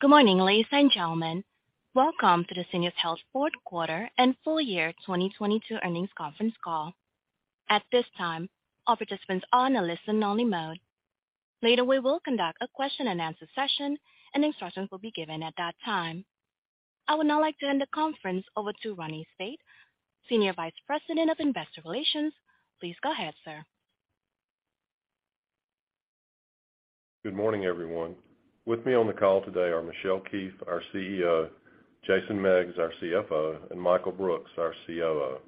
Good morning, ladies and gentlemen. Welcome to the Syneos Health fourth quarter and full year 2022 earnings conference call. At this time, all participants are in a listen only mode. Later, we will conduct a question-and-answer session and instructions will be given at that time. I would now like to hand the conference over to Ronnie Speight, Senior Vice President of Investor Relations. Please go ahead, sir. Good morning, everyone. With me on the call today are Michelle Keefe, our CEO, Jason Meggs, our CFO, and Michael Brooks, our COO.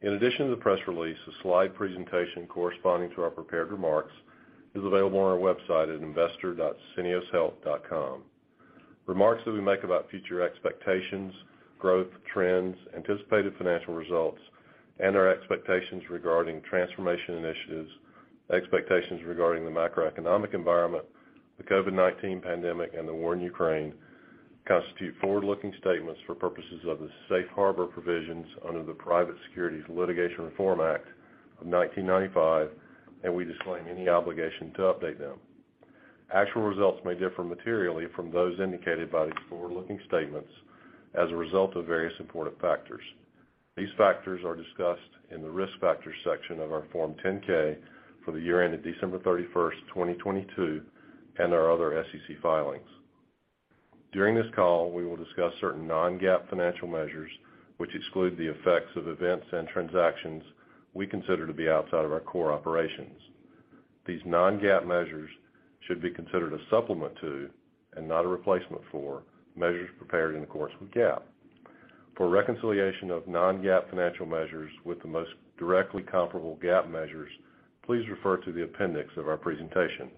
In addition to the press release, a slide presentation corresponding to our prepared remarks is available on our website at investor.syneoshealth.com. Remarks that we make about future expectations, growth, trends, anticipated financial results, and our expectations regarding transformation initiatives, expectations regarding the macroeconomic environment, the COVID-19 pandemic, and the war in Ukraine constitute forward-looking statements for purposes of the safe harbor provisions under the Private Securities Litigation Reform Act of 1995. We disclaim any obligation to update them. Actual results may differ materially from those indicated by these forward-looking statements as a result of various supportive factors. These factors are discussed in the risk factors section of our Form 10-K for the year ended December 31st, 2022, and our other SEC filings. During this call, we will discuss certain non-GAAP financial measures which exclude the effects of events and transactions we consider to be outside of our core operations. These non-GAAP measures should be considered a supplement to, and not a replacement for, measures prepared in accordance with GAAP. For a reconciliation of non-GAAP financial measures with the most directly comparable GAAP measures, please refer to the appendix of our presentation.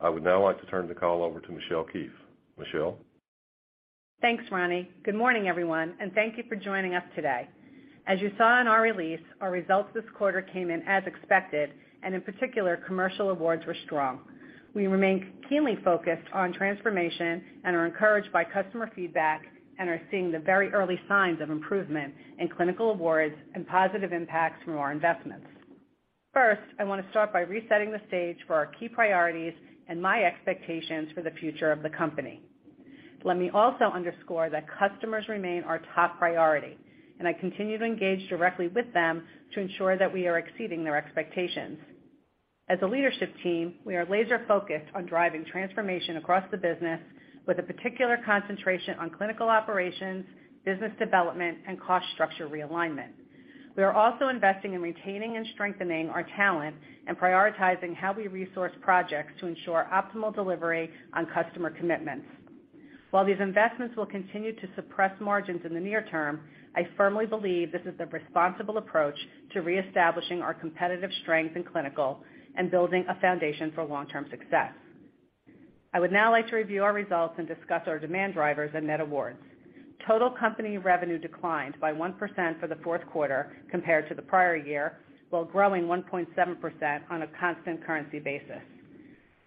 I would now like to turn the call over to Michelle Keefe. Michelle? Thanks, Ronnie. Good morning, everyone. Thank you for joining us today. As you saw in our release, our results this quarter came in as expected. In particular, Commercial awards were strong. We remain keenly focused on transformation and are encouraged by customer feedback and are seeing the very early signs of improvement in Clinical awards and positive impacts from our investments. First, I want to start by resetting the stage for our key priorities and my expectations for the future of the company. Let me also underscore that customers remain our top priority. I continue to engage directly with them to ensure that we are exceeding their expectations. As a leadership team, we are laser-focused on driving transformation across the business with a particular concentration on clinical operations, business development, and cost structure realignment. We are also investing in retaining and strengthening our talent and prioritizing how we resource projects to ensure optimal delivery on customer commitments. While these investments will continue to suppress margins in the near term, I firmly believe this is the responsible approach to reestablishing our competitive strength in clinical and building a foundation for long-term success. I would now like to review our results and discuss our demand drivers and net awards. Total company revenue declined by 1% for the fourth quarter compared to the prior year, while growing 1.7% on a constant currency basis.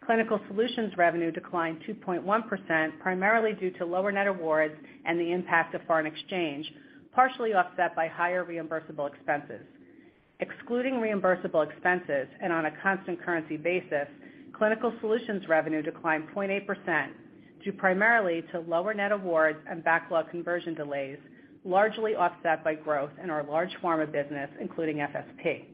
Clinical Solutions revenue declined 2.1%, primarily due to lower net awards and the impact of foreign exchange, partially offset by higher reimbursable expenses. Excluding reimbursable expenses and on a constant currency basis, Clinical Solutions revenue declined 0.8% due primarily to lower net awards and backlog conversion delays, largely offset by growth in our large pharma business, including FSP.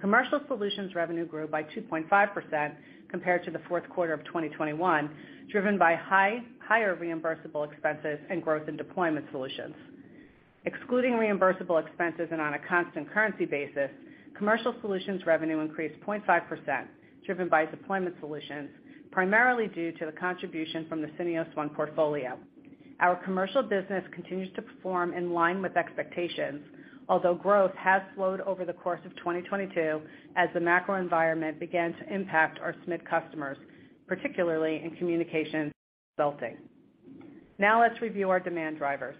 Commercial Solutions revenue grew by 2.5% compared to the fourth quarter of 2021, driven by higher reimbursable expenses and growth in deployment solutions. Excluding reimbursable expenses and on a constant currency basis, Commercial Solutions revenue increased 0.5%, driven by Deployment Solutions, primarily due to the contribution from the Syneos One portfolio. Our commercial business continues to perform in line with expectations. Although growth has slowed over the course of 2022 as the macro environment began to impact our SMID customers, particularly in communication consulting. Let's review our demand drivers.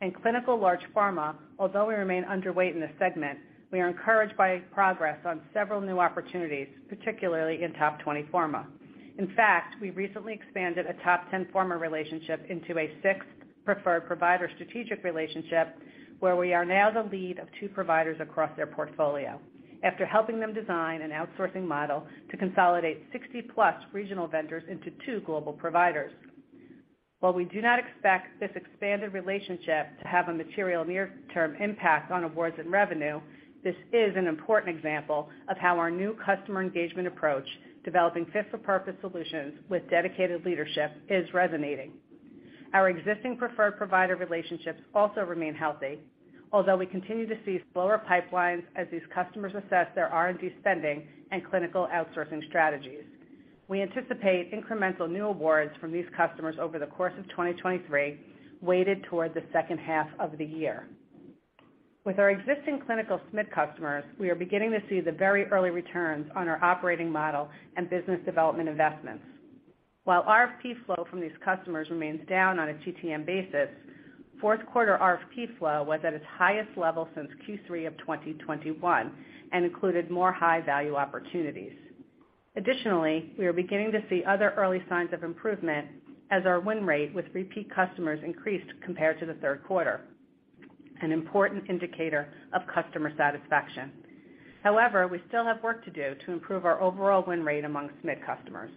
In clinical large pharma, although we remain underweight in this segment, we are encouraged by progress on several new opportunities, particularly in top 20 pharma. In fact, we recently expanded a top 10 pharma relationship into a sixth preferred provider strategic relationship, where we are now the lead of two providers across their portfolio after helping them design an outsourcing model to consolidate 60+ regional vendors into two global providers. While we do not expect this expanded relationship to have a material near-term impact on awards and revenue, this is an important example of how our new customer engagement approach, developing fit-for-purpose solutions with dedicated leadership, is resonating. Our existing preferred provider relationships also remain healthy. Although we continue to see slower pipelines as these customers assess their R&D spending and clinical outsourcing strategies. We anticipate incremental new awards from these customers over the course of 2023, weighted toward the second half of the year. With our existing clinical SMID customers, we are beginning to see the very early returns on our operating model and business development investments. While RFP flow from these customers remains down on a TTM basis, fourth quarter RFP flow was at its highest level since Q3 of 2021 and included more high-value opportunities. We are beginning to see other early signs of improvement as our win rate with repeat customers increased compared to the third quarter. An important indicator of customer satisfaction. We still have work to do to improve our overall win rate among SMID customers.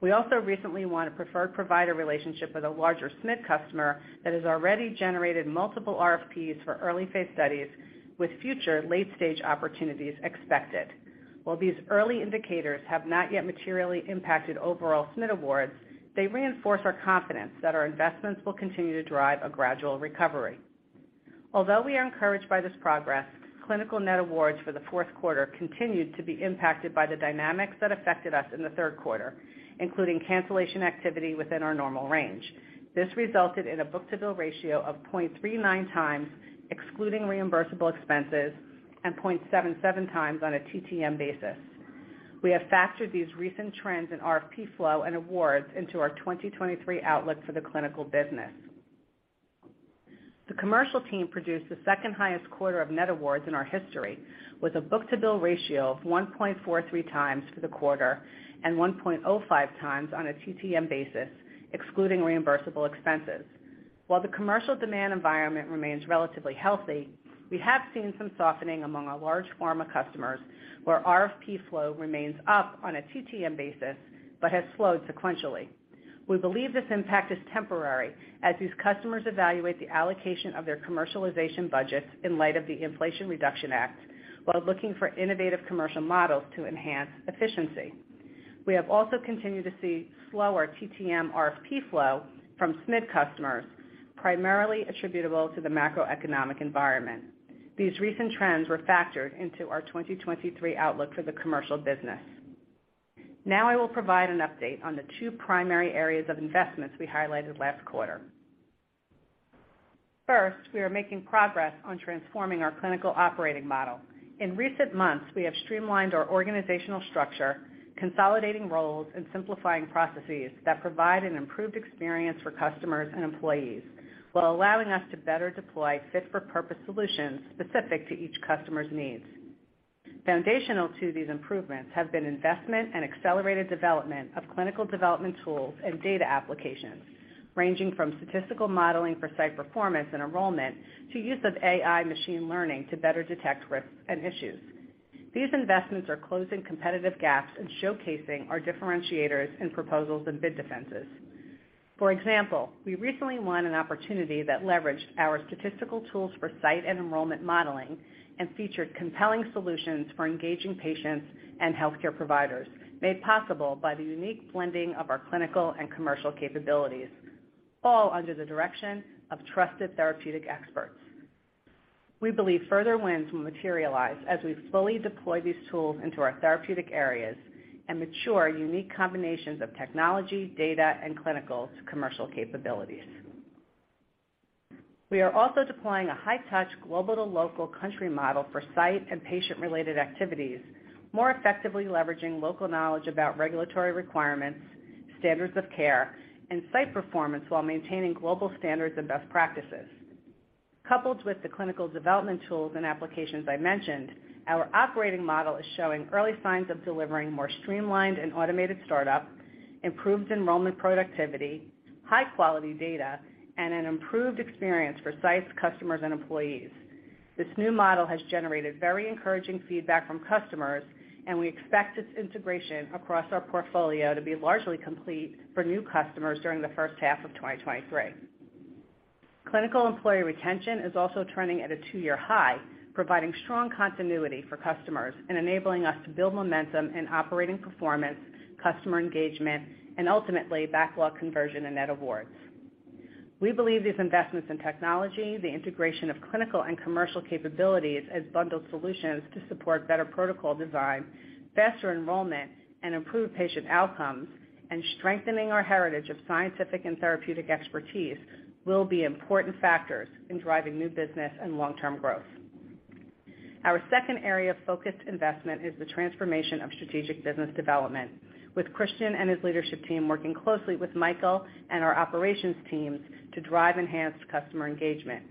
We also recently won a preferred provider relationship with a larger SMID customer that has already generated multiple RFPs for early-phase studies with future late-stage opportunities expected. While these early indicators have not yet materially impacted overall SMID awards, they reinforce our confidence that our investments will continue to drive a gradual recovery. Although we are encouraged by this progress, clinical net awards for the fourth quarter continued to be impacted by the dynamics that affected us in the third quarter, including cancellation activity within our normal range. This resulted in a book-to-bill ratio of 0.39x, excluding reimbursable expenses, and 0.77x on a TTM basis. We have factored these recent trends in RFP flow and awards into our 2023 outlook for the clinical business. The commercial team produced the second-highest quarter of net awards in our history, with a book-to-bill ratio of 1.43x for the quarter and 1.05x on a TTM basis, excluding reimbursable expenses. While the commercial demand environment remains relatively healthy, we have seen some softening among our large pharma customers, where RFP flow remains up on a TTM basis but has slowed sequentially. We believe this impact is temporary as these customers evaluate the allocation of their commercialization budgets in light of the Inflation Reduction Act while looking for innovative commercial models to enhance efficiency. We have also continued to see slower TTM RFP flow from SMID customers, primarily attributable to the macroeconomic environment. These recent trends were factored into our 2023 outlook for the commercial business. I will provide an update on the two primary areas of investments we highlighted last quarter. First, we are making progress on transforming our clinical operating model. In recent months, we have streamlined our organizational structure, consolidating roles and simplifying processes that provide an improved experience for customers and employees while allowing us to better deploy fit-for-purpose solutions specific to each customer's needs. Foundational to these improvements have been investment and accelerated development of clinical development tools and data applications, ranging from statistical modeling for site performance and enrollment to use of AI machine learning to better detect risks and issues. These investments are closing competitive gaps and showcasing our differentiators in proposals and bid defenses. For example, we recently won an opportunity that leveraged our statistical tools for site and enrollment modeling and featured compelling solutions for engaging patients and healthcare providers, made possible by the unique blending of our Clinical and Commercial capabilities, all under the direction of trusted therapeutic experts. We believe further wins will materialize as we fully deploy these tools into our therapeutic areas and mature unique combinations of technology, data, and clinical to commercial capabilities. We are also deploying a high-touch global-to-local country model for site and patient-related activities, more effectively leveraging local knowledge about regulatory requirements, standards of care, and site performance while maintaining global standards and best practices. Coupled with the clinical development tools and applications I mentioned, our operating model is showing early signs of delivering more streamlined and automated startup, improved enrollment productivity, high-quality data, and an improved experience for sites, customers, and employees. This new model has generated very encouraging feedback from customers, and we expect its integration across our portfolio to be largely complete for new customers during the first half of 2023. Clinical employee retention is also trending at a two-year high, providing strong continuity for customers and enabling us to build momentum in operating performance, customer engagement, and ultimately backlog conversion and net awards. We believe these investments in technology, the integration of Clinical and Commercial capabilities as bundled solutions to support better protocol design, faster enrollment, and improved patient outcomes, and strengthening our heritage of scientific and therapeutic expertise will be important factors in driving new business and long-term growth. Our second area of focused investment is the transformation of strategic business development, with Christian and his leadership team working closely with Michael and our operations teams to drive enhanced customer engagement.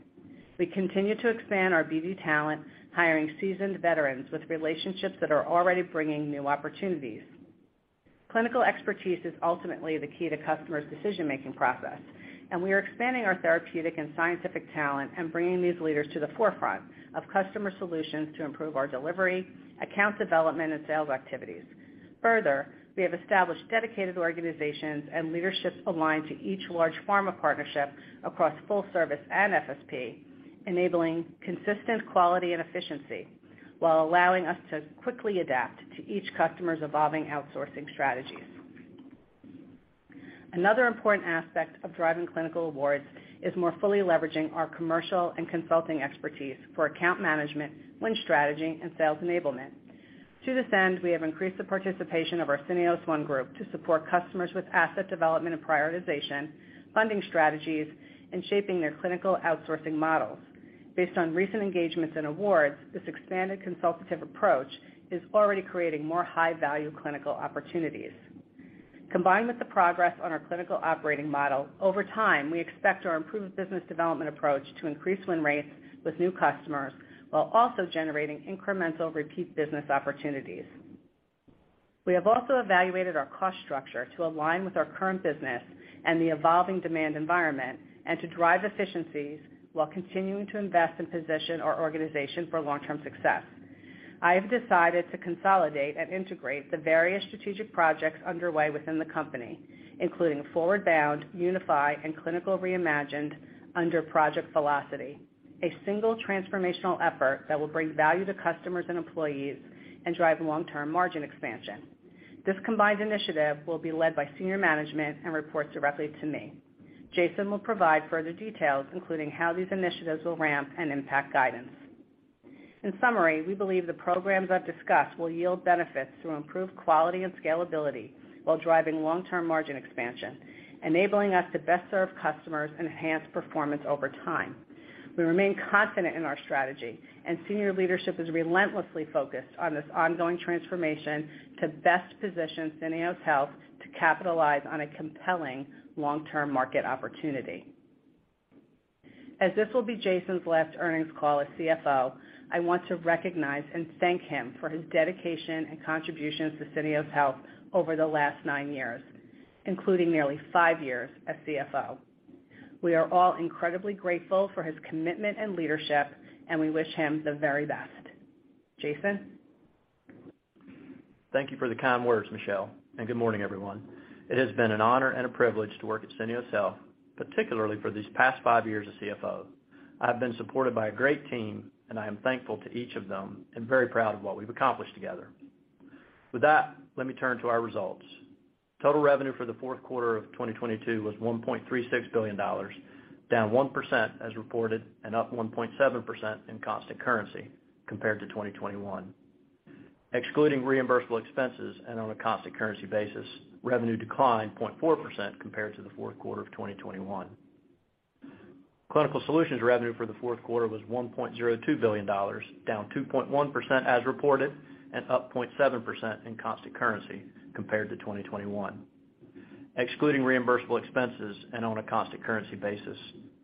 We continue to expand our BD talent, hiring seasoned veterans with relationships that are already bringing new opportunities. Clinical expertise is ultimately the key to customers' decision-making process, and we are expanding our therapeutic and scientific talent and bringing these leaders to the forefront of customer solutions to improve our delivery, account development, and sales activities. Further, we have established dedicated organizations and leaderships aligned to each large pharma partnership across full service and FSP, enabling consistent quality and efficiency while allowing us to quickly adapt to each customer's evolving outsourcing strategies. Another important aspect of driving Clinical awards is more fully leveraging our Commercial and Consulting expertise for account management, win strategy, and sales enablement. To this end, we have increased the participation of our Syneos One group to support customers with asset development and prioritization, funding strategies, and shaping their clinical outsourcing models. Based on recent engagements and awards, this expanded consultative approach is already creating more high-value clinical opportunities. Combined with the progress on our clinical operating model, over time, we expect our improved business development approach to increase win rates with new customers while also generating incremental repeat business opportunities. We have also evaluated our cost structure to align with our current business and the evolving demand environment and to drive efficiencies while continuing to invest and position our organization for long-term success. I have decided to consolidate and integrate the various strategic projects underway within the company, including ForwardBound, Unify, and Clinical Reimagined under Project Velocity, a single transformational effort that will bring value to customers and employees and drive long-term margin expansion. This combined initiative will be led by senior management and report directly to me. Jason will provide further details, including how these initiatives will ramp and impact guidance. In summary, we believe the programs I've discussed will yield benefits through improved quality and scalability while driving long-term margin expansion, enabling us to best serve customers and enhance performance over time. We remain confident in our strategy, and senior leadership is relentlessly focused on this ongoing transformation to best position Syneos Health to capitalize on a compelling long-term market opportunity. As this will be Jason's last earnings call as CFO, I want to recognize and thank him for his dedication and contributions to Syneos Health over the last nine years, including nearly five years as CFO. We are all incredibly grateful for his commitment and leadership, and we wish him the very best. Jason? Thank you for the kind words, Michelle, and good morning, everyone. It has been an honor and a privilege to work at Syneos Health, particularly for these past five years as CFO. I have been supported by a great team, and I am thankful to each of them and very proud of what we've accomplished together. With that, let me turn to our results. Total revenue for the fourth quarter of 2022 was $1.36 billion, down 1% as reported and up 1.7% in constant currency compared to 2021. Excluding reimbursable expenses and on a constant currency basis, revenue declined 0.4% compared to the fourth quarter of 2021. Clinical Solutions revenue for the fourth quarter was $1.02 billion, down 2.1% as reported and up 0.7% in constant currency compared to 2021. Excluding reimbursable expenses and on a constant currency basis,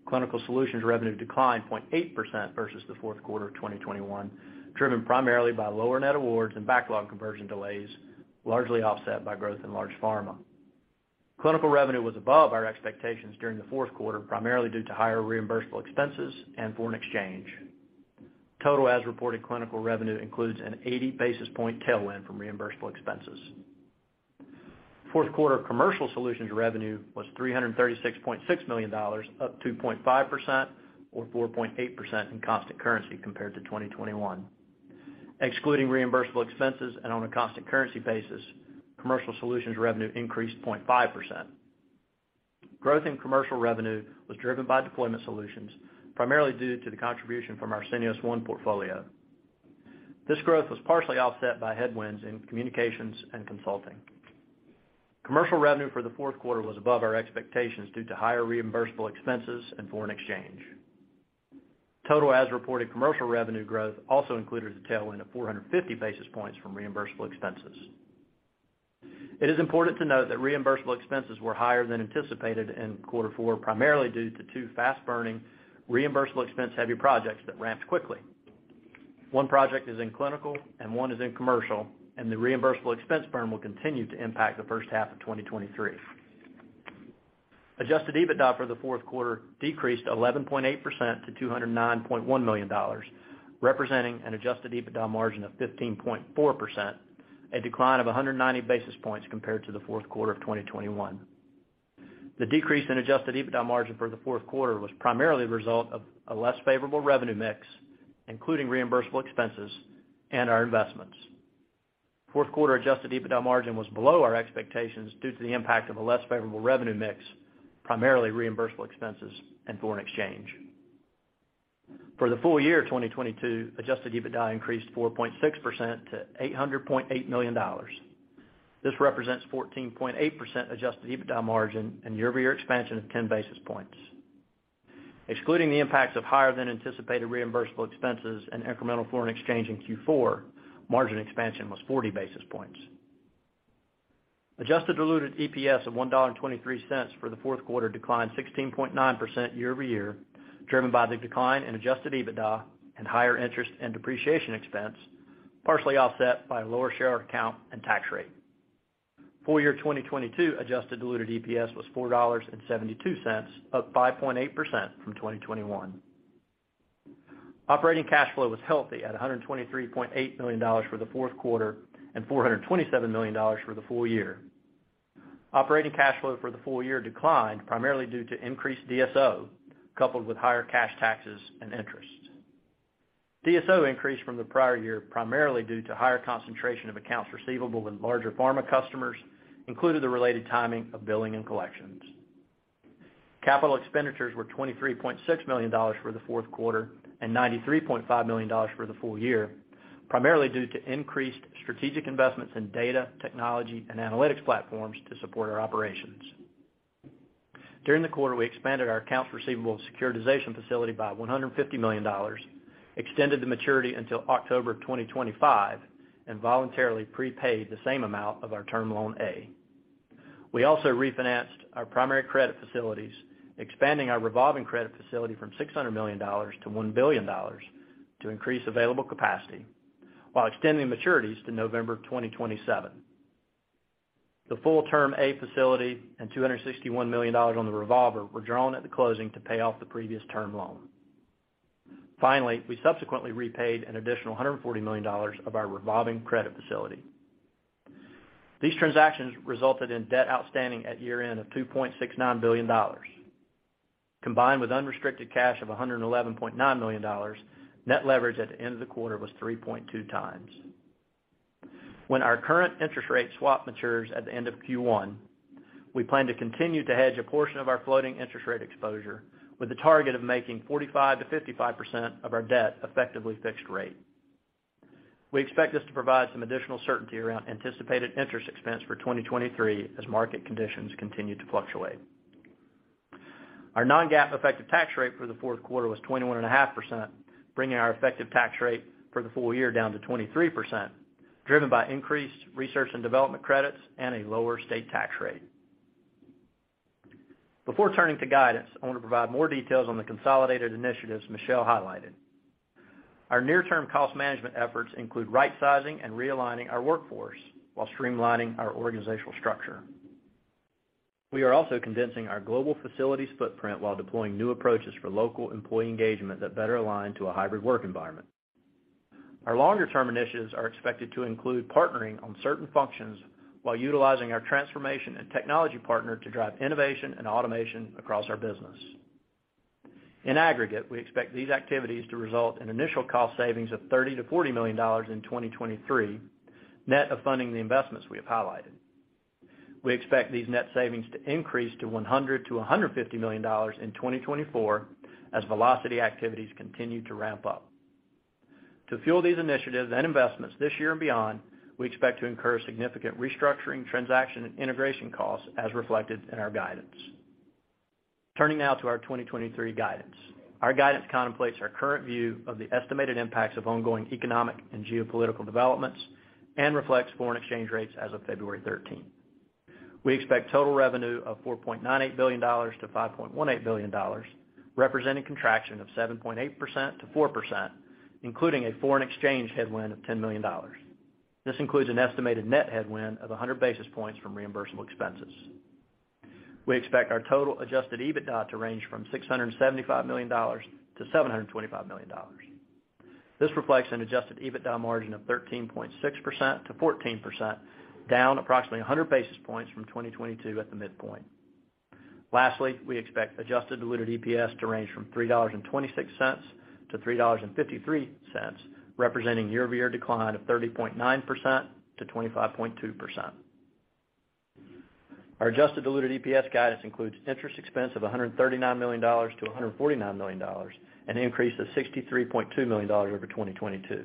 Clinical Solutions revenue declined 0.8% versus the fourth quarter of 2021, driven primarily by lower net awards and backlog conversion delays, largely offset by growth in large pharma. Clinical revenue was above our expectations during the fourth quarter, primarily due to higher reimbursable expenses and foreign exchange. Total as-reported clinical revenue includes an 80 basis point tailwind from reimbursable expenses. Fourth quarter Commercial Solutions revenue was $336.6 million, up 2.5% or 4.8% in constant currency compared to 2021. Excluding reimbursable expenses and on a constant currency basis, Commercial Solutions revenue increased 0.5%. Growth in Commercial revenue was driven by Deployment Solutions, primarily due to the contribution from our Syneos One portfolio. This growth was partially offset by headwinds in communications and consulting. Commercial revenue for the fourth quarter was above our expectations due to higher reimbursable expenses and foreign exchange. Total as-reported Commercial revenue growth also included a tailwind of 450 basis points from reimbursable expenses. It is important to note that reimbursable expenses were higher than anticipated in quarter four primarily due to two fast-burning, reimbursable expense-heavy projects that ramped quickly. One project is in Clinical and one is in Commercial, the reimbursable expense burn will continue to impact the first half of 2023. Adjusted EBITDA for the fourth quarter decreased 11.8% to $209.1 million, representing an adjusted EBITDA margin of 15.4%, a decline of 190 basis points compared to the fourth quarter of 2021. The decrease in adjusted EBITDA margin for the fourth quarter was primarily the result of a less favorable revenue mix, including reimbursable expenses and our investments. Fourth quarter adjusted EBITDA margin was below our expectations due to the impact of a less favorable revenue mix, primarily reimbursable expenses and foreign exchange. For the full year 2022, adjusted EBITDA increased 4.6% to $800.8 million. This represents 14.8% adjusted EBITDA margin and year-over-year expansion of 10 basis points. Excluding the impacts of higher than anticipated reimbursable expenses and incremental foreign exchange in Q4, margin expansion was 40 basis points. Adjusted diluted EPS of $1.23 for the fourth quarter declined 16.9% year-over-year, driven by the decline in adjusted EBITDA and higher interest and depreciation expense, partially offset by a lower share count and tax rate. Full year 2022 adjusted diluted EPS was $4.72, up 5.8% from 2021. Operating cash flow was healthy at $123.8 million for the fourth quarter and $427 million for the full year. Operating cash flow for the full year declined, primarily due to increased DSO, coupled with higher cash taxes and interest. DSO increased from the prior year, primarily due to higher concentration of accounts receivable in larger pharma customers, including the related timing of billing and collections. Capital expenditures were $23.6 million for the fourth quarter and $93.5 million for the full year, primarily due to increased strategic investments in data, technology, and analytics platforms to support our operations. During the quarter, we expanded our accounts receivable securitization facility by $150 million, extended the maturity until October 2025, and voluntarily prepaid the same amount of our term loan A. We also refinanced our primary credit facilities, expanding our revolving credit facility from $600 million to $1 billion to increase available capacity while extending maturities to November 2027. The full term A facility and $261 million on the revolver were drawn at the closing to pay off the previous term loan. We subsequently repaid an additional $140 million of our revolving credit facility. These transactions resulted in debt outstanding at year-end of $2.69 billion. Combined with unrestricted cash of $111.9 million, net leverage at the end of the quarter was 3.2x. When our current interest rate swap matures at the end of Q1, we plan to continue to hedge a portion of our floating interest rate exposure with the target of making 45%-55% of our debt effectively fixed rate. We expect this to provide some additional certainty around anticipated interest expense for 2023 as market conditions continue to fluctuate. Our non-GAAP effective tax rate for the fourth quarter was 21.5%, bringing our effective tax rate for the full year down to 23%, driven by increased R&D credits and a lower state tax rate. Before turning to guidance, I want to provide more details on the consolidated initiatives Michelle highlighted. Our near-term cost management efforts include rightsizing and realigning our workforce while streamlining our organizational structure. We are also condensing our global facilities footprint while deploying new approaches for local employee engagement that better align to a hybrid work environment. Our longer-term initiatives are expected to include partnering on certain functions while utilizing our transformation and technology partner to drive innovation and automation across our business. In aggregate, we expect these activities to result in initial cost savings of $30 million-$40 million in 2023, net of funding the investments we have highlighted. We expect these net savings to increase to $100 million-$150 million in 2024 as Velocity activities continue to ramp up. To fuel these initiatives and investments this year and beyond, we expect to incur significant restructuring transaction and integration costs as reflected in our guidance. Turning now to our 2023 guidance. Our guidance contemplates our current view of the estimated impacts of ongoing economic and geopolitical developments and reflects foreign exchange rates as of February 13th. We expect total revenue of $4.98 billion-$5.18 billion, representing contraction of 7.8%-4%, including a foreign exchange headwind of $10 million. This includes an estimated net headwind of 100 basis points from reimbursable expenses. We expect our total adjusted EBITDA to range from $675 million-$725 million. This reflects an adjusted EBITDA margin of 13.6%-14%, down approximately 100 basis points from 2022 at the midpoint. Lastly, we expect adjusted diluted EPS to range from $3.26-$3.53, representing year-over-year decline of 30.9%-25.2%. Our adjusted diluted EPS guidance includes interest expense of $139 million-$149 million, an increase of $63.2 million over 2022.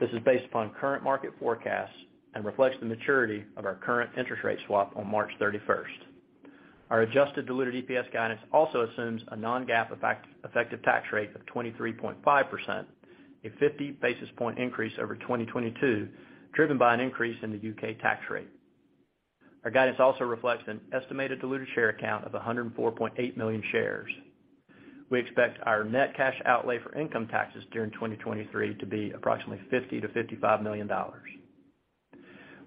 This is based upon current market forecasts and reflects the maturity of our current interest rate swap on March 31st. Our adjusted diluted EPS guidance also assumes a non-GAAP effect, effective tax rate of 23.5%, a 50 basis point increase over 2022, driven by an increase in the U.K. tax rate. Our guidance also reflects an estimated diluted share count of 104.8 million shares. We expect our net cash outlay for income taxes during 2023 to be approximately $50 million-$55 million.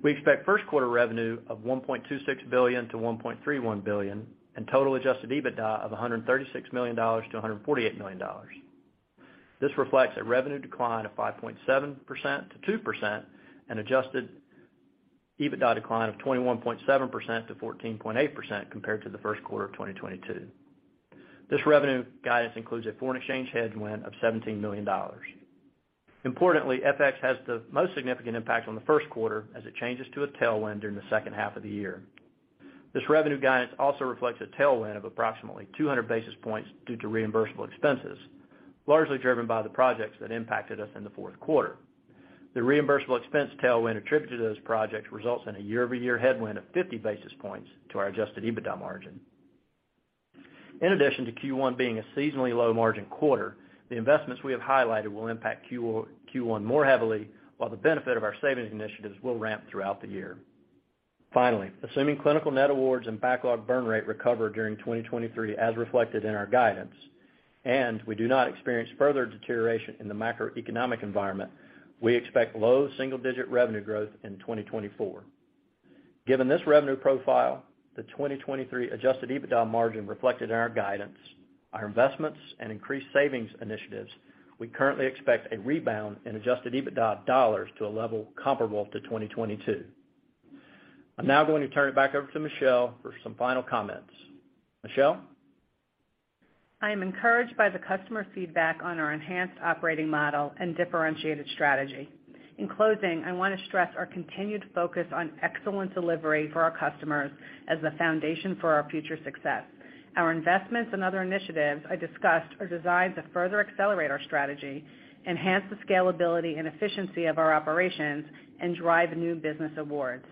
We expect first quarter revenue of $1.26 billion-$1.31 billion and total adjusted EBITDA of $136 million-$148 million. This reflects a revenue decline of 5.7%-2% and adjusted EBITDA decline of 21.7%-14.8% compared to the first quarter of 2022. This revenue guidance includes a foreign exchange headwind of $17 million. Importantly, FX has the most significant impact on the first quarter as it changes to a tailwind during the second half of the year. This revenue guidance also reflects a tailwind of approximately 200 basis points due to reimbursable expenses, largely driven by the projects that impacted us in the fourth quarter. The reimbursable expense tailwind attributed to those projects results in a year-over-year headwind of 50 basis points to our adjusted EBITDA margin. In addition to Q1 being a seasonally low margin quarter, the investments we have highlighted will impact Q1 more heavily while the benefit of our savings initiatives will ramp throughout the year. Finally, assuming clinical net awards and backlog burn rate recover during 2023 as reflected in our guidance, and we do not experience further deterioration in the macroeconomic environment, we expect low single-digit revenue growth in 2024. Given this revenue profile, the 2023 adjusted EBITDA margin reflected in our guidance, our investments and increased savings initiatives, we currently expect a rebound in adjusted EBITDA dollars to a level comparable to 2022. I'm now going to turn it back over to Michelle for some final comments. Michelle? I am encouraged by the customer feedback on our enhanced operating model and differentiated strategy. In closing, I want to stress our continued focus on excellent delivery for our customers as the foundation for our future success. Our investments and other initiatives I discussed are designed to further accelerate our strategy, enhance the scalability and efficiency of our operations, and drive new business awards.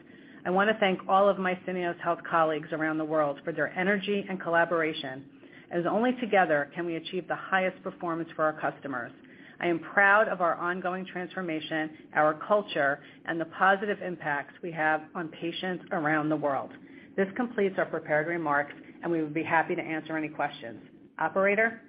I wanna thank all of my Syneos Health colleagues around the world for their energy and collaboration, as only together can we achieve the highest performance for our customers. I am proud of our ongoing transformation, our culture, and the positive impacts we have on patients around the world. This completes our prepared remarks, we would be happy to answer any questions. Operator?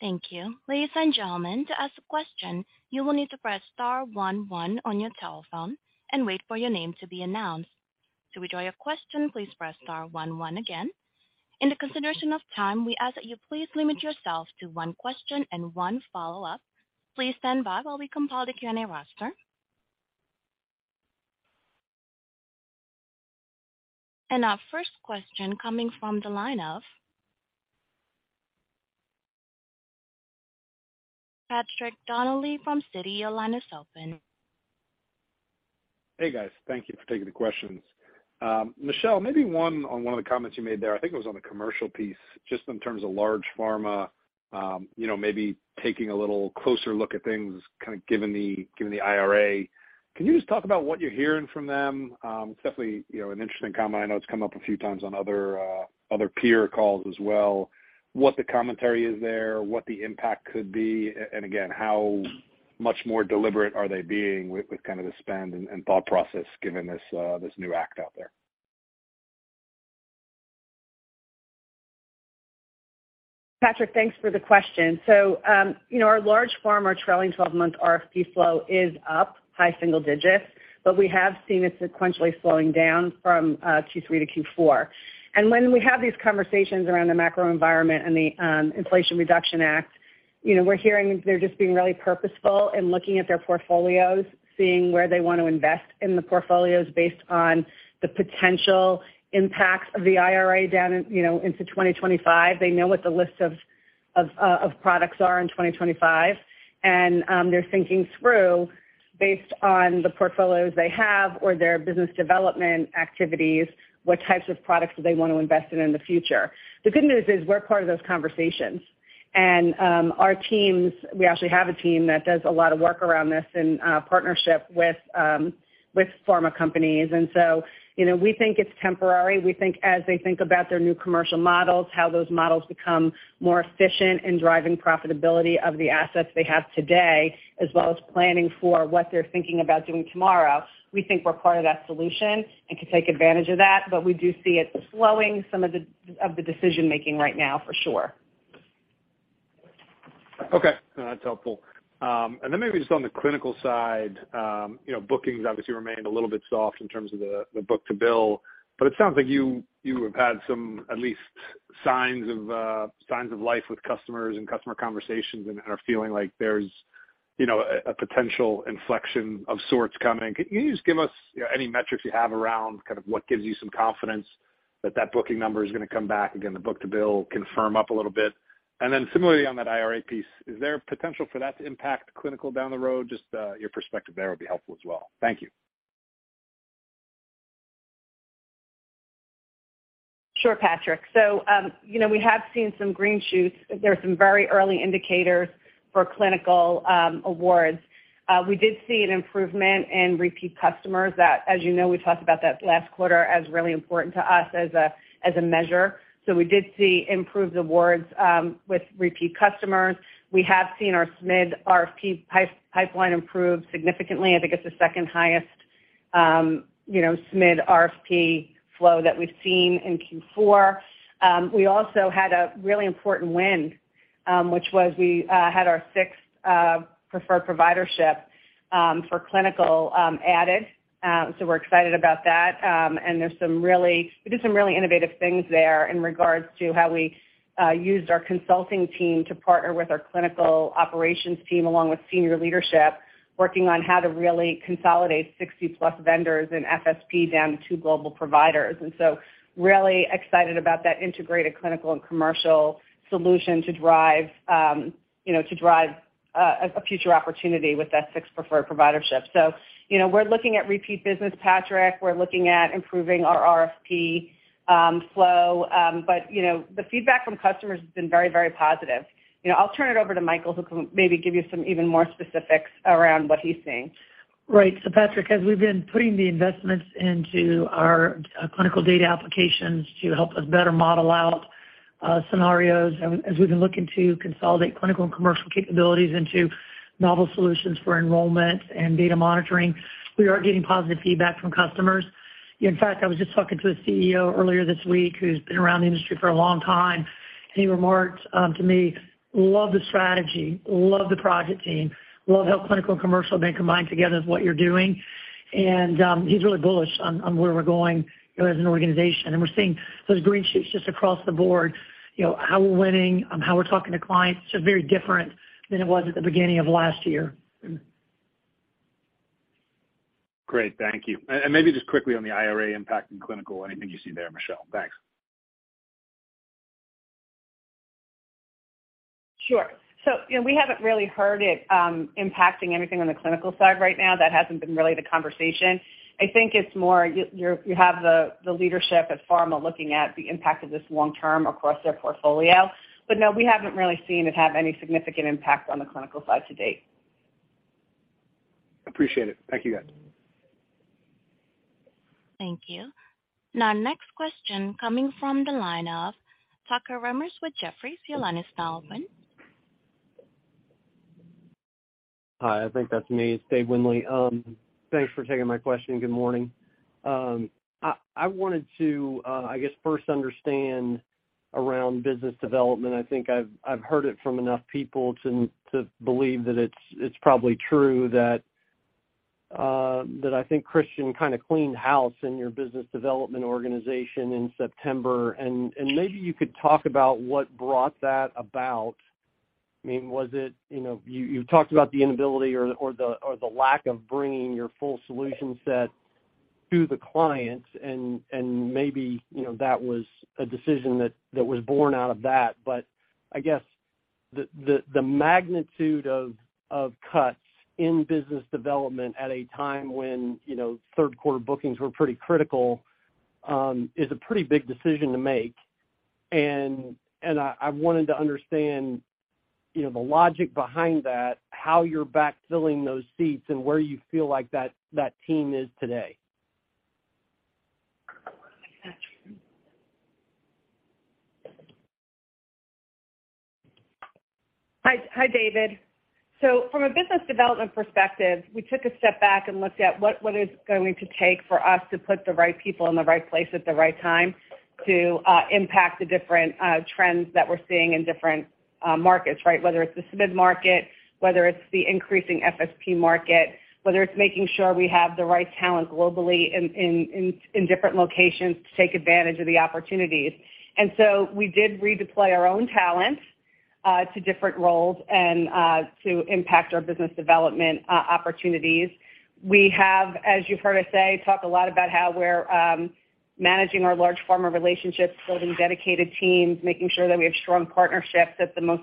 Thank you. Ladies and gentlemen, to ask a question, you will need to press star one one on your telephone and wait for your name to be announced. To withdraw your question, please press star one one again. In the consideration of time, we ask that you please limit yourself to one question and one follow-up. Please stand by while we compile the Q&A roster. Our first question coming from the line of Patrick Donnelly from Citi. Your line is open. Hey, guys. Thank you for taking the questions. Michelle, maybe one on one of the comments you made there, I think it was on the Commercial piece, just in terms of large pharma, you know, maybe taking a little closer look at things, kind of given the, given the IRA. Can you just talk about what you're hearing from them? It's definitely, you know, an interesting comment. I know it's come up a few times on other peer calls as well, what the commentary is there, what the impact could be, and again, how much more deliberate are they being with kind of the spend and thought process given this new act out there? Patrick, thanks for the question. You know, our large pharma trailing 12-month RFP flow is up high single digits, but we have seen it sequentially slowing down from Q3 to Q4. When we have these conversations around the macro environment and the Inflation Reduction Act, you know, we're hearing they're just being really purposeful in looking at their portfolios, seeing where they want to invest in the portfolios based on the potential impacts of the IRA down, you know, into 2025. They know what the list of products are in 2025, and they're thinking through based on the portfolios they have or their business development activities, what types of products do they want to invest in in the future. The good news is we're part of those conversations. Our teams, we actually have a team that does a lot of work around this in partnership with pharma companies. You know, we think it's temporary. We think as they think about their new commercial models, how those models become more efficient in driving profitability of the assets they have today, as well as planning for what they're thinking about doing tomorrow, we think we're part of that solution and can take advantage of that. We do see it slowing some of the decision-making right now for sure. Okay. No, that's helpful. Then maybe just on the Clinical side, you know, bookings obviously remained a little bit soft in terms of the book-to-bill, but it sounds like you have had some at least signs of life with customers and customer conversations and are feeling like there's, you know, a potential inflection of sorts coming. Can you just give us any metrics you have around kind of what gives you some confidence that that booking number is gonna come back, again, the book-to-bill can firm up a little bit? Then similarly on that IRA piece, is there potential for that to impact Clinical down the road? Just your perspective there would be helpful as well. Thank you. Sure, Patrick. You know, we have seen some green shoots. There are some very early indicators for Clinical awards. We did see an improvement in repeat customers that, as you know, we talked about that last quarter as really important to us as a, as a measure. We did see improved awards with repeat customers. We have seen our SMID RFP pipeline improve significantly. I think it's the second highest, you know, SMID RFP flow that we've seen in Q4. We also had a really important win, which was we had our sixth preferred providership for Clinical added. We're excited about that. We did some really innovative things there in regards to how we used our consulting team to partner with our clinical operations team along with senior leadership, working on how to really consolidate 60+ vendors in FSP down to two global providers. Really excited about that integrated Clinical and Commercial Solution to drive, you know, to drive a future opportunity with that six preferred providership. You know, we're looking at repeat business, Patrick. We're looking at improving our RFP flow. You know, the feedback from customers has been very, very positive. You know, I'll turn it over to Michael, who can maybe give you some even more specifics around what he's seeing. Patrick, as we've been putting the investments into our clinical data applications to help us better model out scenarios and as we've been looking to consolidate Clinical and Commercial capabilities into novel solutions for enrollment and data monitoring, we are getting positive feedback from customers. In fact, I was just talking to a CEO earlier this week who's been around the industry for a long time, and he remarked to me, "Love the strategy, love the project team, love how Clinical and Commercial have been combined together is what you're doing." He's really bullish on where we're going, you know, as an organization. We're seeing those green shoots just across the board, you know, how we're winning, on how we're talking to clients. It's very different than it was at the beginning of last year. Great. Thank you. Maybe just quickly on the IRA impact in Clinical, anything you see there, Michelle? Thanks. Sure. you know, we haven't really heard it impacting anything on the Clinical side right now. That hasn't been really the conversation. I think it's more you have the leadership at pharma looking at the impact of this long term across their portfolio. No, we haven't really seen it have any significant impact on the Clinical side to date. Appreciate it. Thank you, guys. Thank you. Now, next question coming from the line of Tucker Remmers with Jefferies. Your line is now open. Hi, I think that's me. It's Dave Windley. Thanks for taking my question. Good morning. I wanted to, I guess first understand around business development. I think I've heard it from enough people to believe that it's probably true that I think Christian kind of cleaned house in your business development organization in September. Maybe you could talk about what brought that about. I mean, you know, you talked about the inability or the lack of bringing your full solution set to the clients and maybe, you know, that was a decision that was born out of that. I guess the magnitude of cuts in business development at a time when, you know, third quarter bookings were pretty critical, is a pretty big decision to make. I wanted to understand, you know, the logic behind that, how you're backfilling those seats, and where you feel like that team is today. Hi, David. From a business development perspective, we took a step back and looked at what it's going to take for us to put the right people in the right place at the right time to impact the different trends that we're seeing in different markets. Whether it's the SMID market, whether it's the increasing FSP market, whether it's making sure we have the right talent globally in different locations to take advantage of the opportunities. We did redeploy our own talent to different roles and to impact our business development opportunities. We have, as you've heard us say, talk a lot about how we're managing our large pharma relationships, building dedicated teams, making sure that we have strong partnerships at the most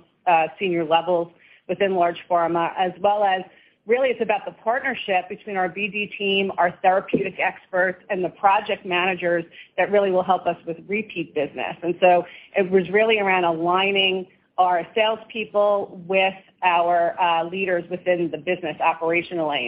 senior levels within large pharma, as well as really it's about the partnership between our BD team, our therapeutic experts, and the project managers that really will help us with repeat business. It was really around aligning our salespeople with our leaders within the business operationally.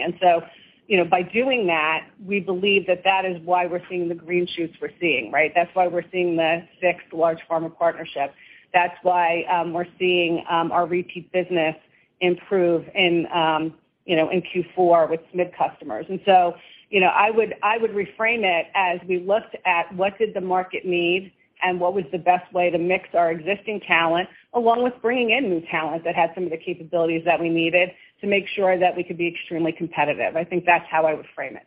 You know, by doing that, we believe that that is why we're seeing the green shoots we're seeing, right? That's why we're seeing the fixed large pharma partnership. That's why we're seeing our repeat business improve in, you know, in Q4 with SMID customers. You know, I would reframe it as we looked at what did the market need and what was the best way to mix our existing talent, along with bringing in new talent that had some of the capabilities that we needed to make sure that we could be extremely competitive. I think that's how I would frame it.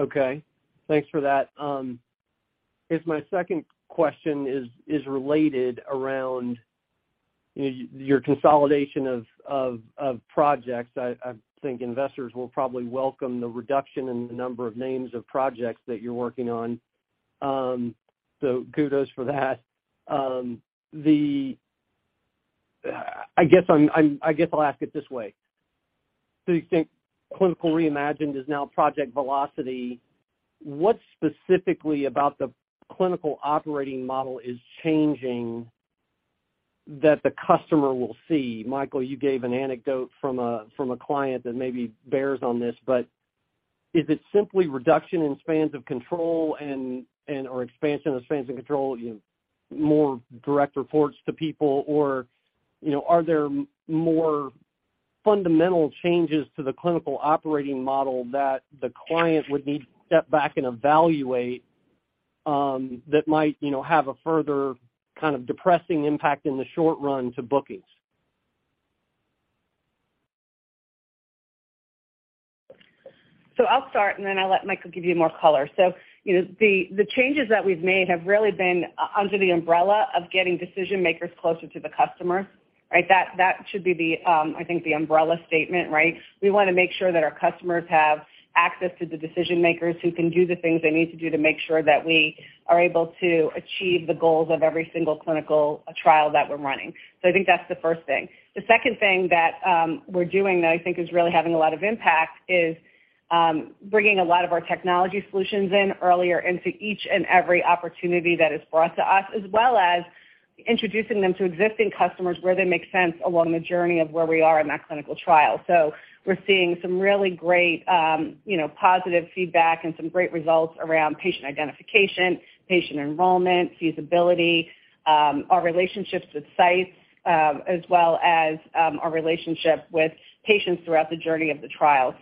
Okay. Thanks for that. I guess my second question is related around your consolidation of projects. I think investors will probably welcome the reduction in the number of names of projects that you're working on. Kudos for that. I guess I'll ask it this way. You think Clinical Reimagined is now Project Velocity. What specifically about the clinical operating model is changing that the customer will see? Michael, you gave an anecdote from a client that maybe bears on this, but is it simply reduction in spans of control and/or expansion of spans of control, you know, more direct reports to people? You know, are there more fundamental changes to the clinical operating model that the client would need to step back and evaluate, that might, you know, have a further kind of depressing impact in the short run to bookings? I'll start, and then I'll let Michael give you more color. The changes that we've made have really been under the umbrella of getting decision-makers closer to the customer, right? That should be the, I think the umbrella statement, right? We wanna make sure that our customers have access to the decision-makers who can do the things they need to do to make sure that we are able to achieve the goals of every single clinical trial that we're running. I think that's the first thing. The second thing that we're doing that I think is really having a lot of impact is bringing a lot of our technology solutions in earlier into each and every opportunity that is brought to us, as well as introducing them to existing customers where they make sense along the journey of where we are in that clinical trial. We're seeing some really great, you know, positive feedback and some great results around patient identification, patient enrollment, feasibility, our relationships with sites, as well as, our relationship with patients throughout the journey of the trial.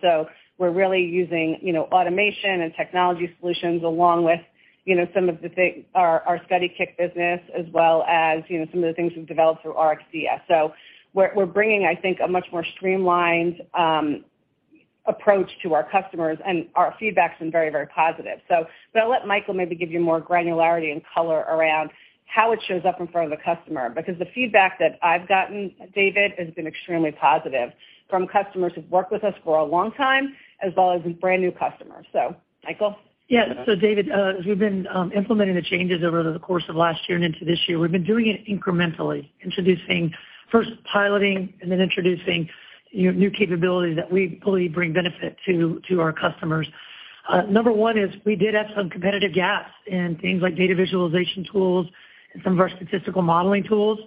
We're really using, you know, automation and technology solutions along with, you know, our StudyKIK business, as well as, you know, some of the things we've developed through RxDataScience. We're bringing, I think, a much more streamlined approach to our customers, and our feedback's been very, very positive. I'll let Michael maybe give you more granularity and color around how it shows up in front of the customer. Because the feedback that I've gotten, David, has been extremely positive from customers who've worked with us for a long time, as well as with brand-new customers. Michael? David, as we've been implementing the changes over the course of last year and into this year, we've been doing it incrementally, introducing first piloting and then introducing, you know, new capabilities that we believe bring benefit to our customers. Number one is we did have some competitive gaps in things like data visualization tools and some of our statistical modeling tools.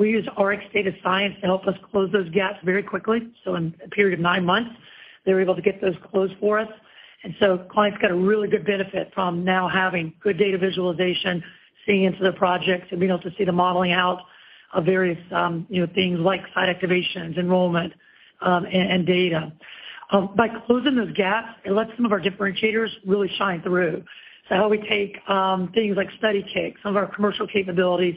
We used RxDataScience to help us close those gaps very quickly, so in a period of nine months. They were able to get those closed for us. Clients got a really good benefit from now having good data visualization, seeing into the projects, and being able to see the modeling out of various, you know, things like site activations, enrollment, and data. By closing those gaps, it lets some of our differentiators really shine through. How we take things like StudyKIK, some of our Commercial capabilities,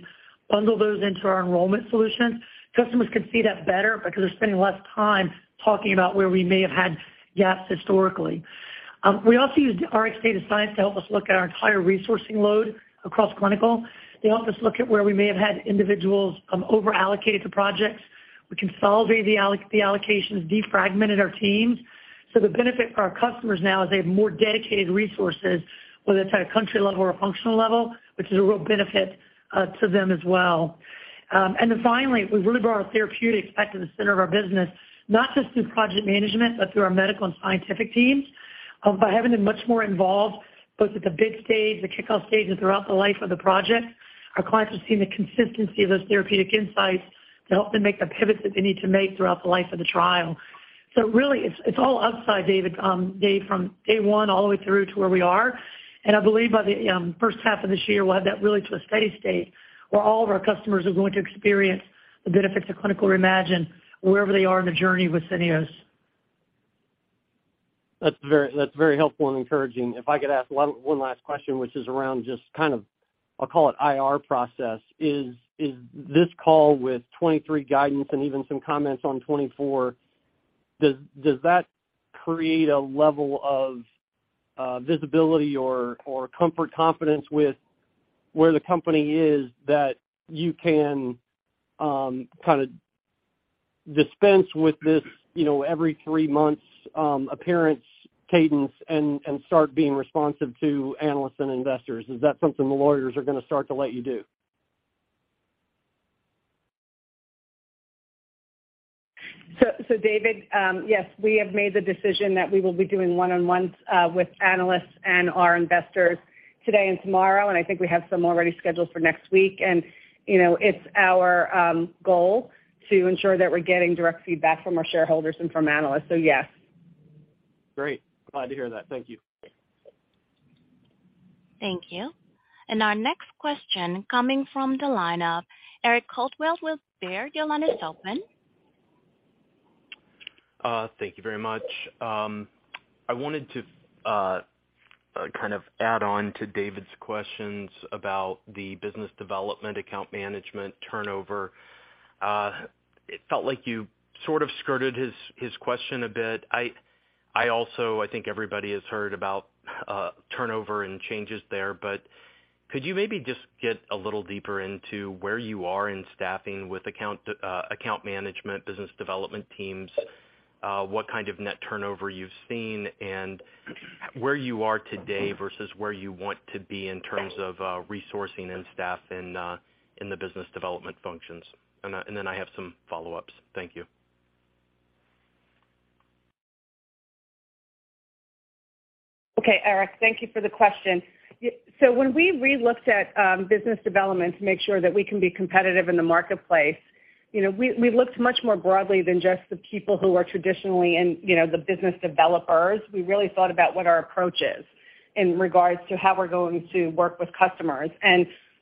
bundle those into our enrollment solutions. Customers can see that better because they're spending less time talking about where we may have had gaps historically. We also used RxDataScience to help us look at our entire resourcing load across Clinical. They helped us look at where we may have had individuals over-allocated to projects. We consolidated the allocations, defragmented our teams. The benefit for our customers now is they have more dedicated resources, whether it's at a country level or a functional level, which is a real benefit to them as well. Finally, we really brought our therapeutics back to the center of our business, not just through project management, but through our medical and scientific teams. By having them much more involved, both at the bid stage, the kickoff stage, and throughout the life of the project, our clients have seen the consistency of those therapeutic insights to help them make the pivots that they need to make throughout the life of the trial. Really it's all upside, Dave, from day one all the way through to where we are. I believe by the first half of this year, we'll have that really to a steady state where all of our customers are going to experience the benefits of Clinical Reimagined wherever they are in the journey with Syneos. That's very helpful and encouraging. If I could ask one last question, which is around just kind of, I'll call it IR process. Is this call with 2023 guidance and even some comments on 2024, does that create a level of visibility or comfort, confidence with where the company is that you can, kinda dispense with this, you know, every three months, appearance cadence and, start being responsive to analysts and investors? Is that something the lawyers are gonna start to let you do? David, yes, we have made the decision that we will be doing one-on-ones with analysts and our investors today and tomorrow, and I think we have some already scheduled for next week. You know, it's our goal to ensure that we're getting direct feedback from our shareholders and from analysts. Yes. Great. Glad to hear that. Thank you. Thank you. Our next question coming from the line of Eric Coldwell with Baird. Your line is open. Thank you very much. I wanted to kind of add on to David's questions about the business development account management turnover. It felt like you sort of skirted his question a bit. I also think everybody has heard about turnover and changes there, but could you maybe just get a little deeper into where you are in staffing with account management, business development teams, what kind of net turnover you've seen, and where you are today versus where you want to be in terms of resourcing and staff in the business development functions? Then I have some follow-ups. Thank you. Okay, Eric, thank you for the question. When we relooked at business development to make sure that we can be competitive in the marketplace, you know, we looked much more broadly than just the people who are traditionally in, you know, the business developers. We really thought about what our approach is in regards to how we're going to work with customers.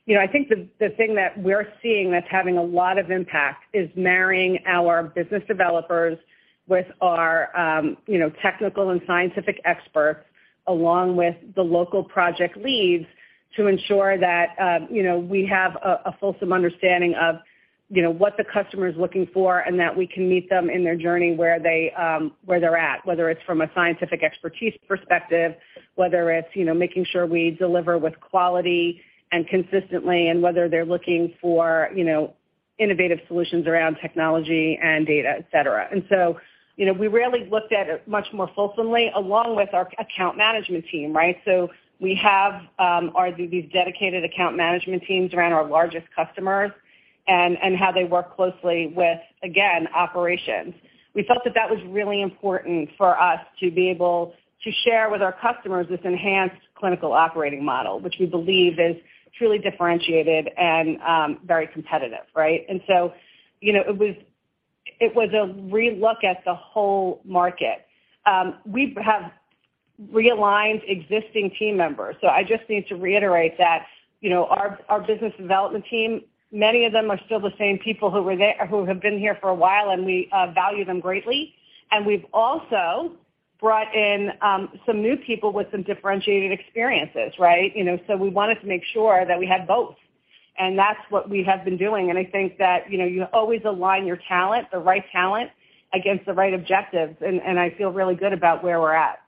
You know, I think the thing that we're seeing that's having a lot of impact is marrying our business developers with our, you know, technical and scientific experts, along with the local project leads to ensure that, you know, we have a fulsome understanding of, you know, what the customer is looking for, and that we can meet them in their journey where they, where they're at, whether it's from a scientific expertise perspective, whether it's, you know, making sure we deliver with quality and consistently, and whether they're looking for, you know, innovative solutions around technology and data, et cetera. You know, we really looked at it much more fulsomely along with our account management team, right? We have these dedicated account management teams around our largest customers and how they work closely with, again, operations. We felt that that was really important for us to be able to share with our customers this enhanced clinical operating model, which we believe is truly differentiated and, very competitive, right? You know, it was a relook at the whole market. We have realigned existing team members. I just need to reiterate that, you know, our business development team, many of them are still the same people who have been here for a while, and we value them greatly. We've also brought in some new people with some differentiated experiences, right? You know, so we wanted to make sure that we had both. That's what we have been doing. I think that, you know, you always align your talent, the right talent, against the right objectives, and I feel really good about where we're at.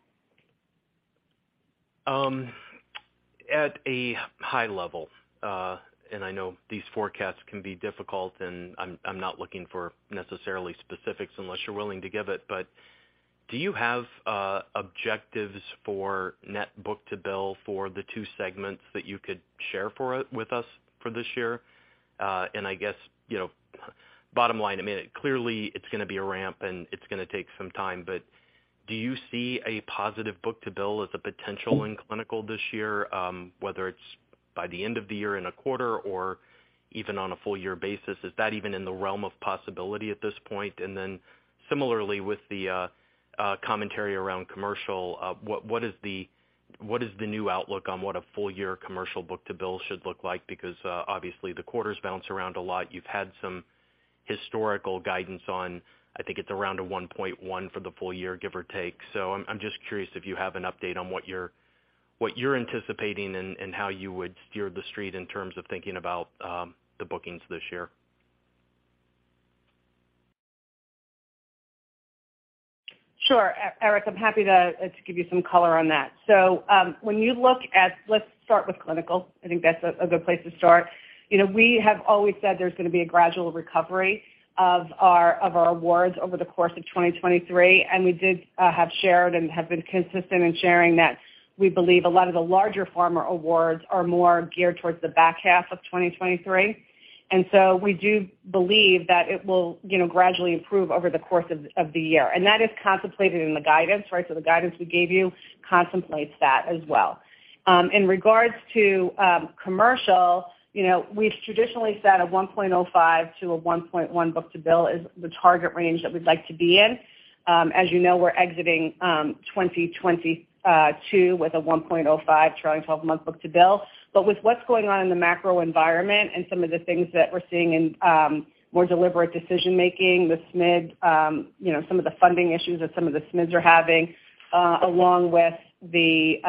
At a high level, I know these forecasts can be difficult, and I'm not looking for necessarily specifics unless you're willing to give it, but do you have objectives for net book-to-bill for the two segments that you could share with us for this year? I guess, you know, bottom line, I mean, clearly it's gonna be a ramp and it's gonna take some time, but do you see a positive book-to-bill as a potential in Clinical this year, whether By the end of the year in a quarter or even on a full year basis, is that even in the realm of possibility at this point? Then similarly with the commentary around Commercial, what is the new outlook on what a full year Commercial book-to-bill should look like? Obviously the quarters bounce around a lot. You've had some historical guidance on, I think it's around a 1.1x for the full year, give or take. I'm just curious if you have an update on what you're anticipating and how you would steer the street in terms of thinking about, the bookings this year. Sure. Eric, I'm happy to give you some color on that. When you look at. Let's start with Clinical. I think that's a good place to start. You know, we have always said there's gonna be a gradual recovery of our awards over the course of 2023, and we did have shared and have been consistent in sharing that we believe a lot of the larger pharma awards are more geared towards the back half of 2023. We do believe that it will, you know, gradually improve over the course of the year. That is contemplated in the guidance, right? The guidance we gave you contemplates that as well. In regards to commercial, you know, we've traditionally said a 1.05x to a 1.1x book-to-bill is the target range that we'd like to be in. As you know, we're exiting 2022 with a 1.05x trailing 12-month book-to-bill. With what's going on in the macro environment and some of the things that we're seeing in more deliberate decision-making, the SMID, you know, some of the funding issues that some of the SMIDs are having, along with the,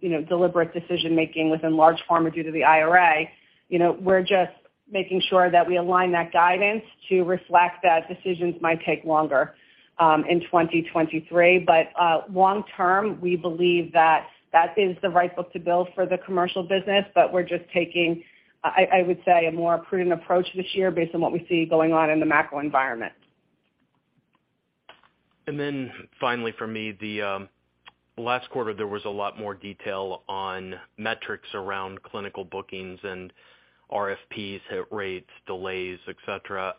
you know, deliberate decision-making within large pharma due to the IRA, you know, we're just making sure that we align that guidance to reflect that decisions might take longer in 2023. Long term, we believe that that is the right book-to-bill for the Commercial business, but we're just taking, I would say, a more prudent approach this year based on what we see going on in the macro environment. Finally for me, the last quarter, there was a lot more detail on metrics around Clinical bookings and RFPs, hit rates, delays, et cetera.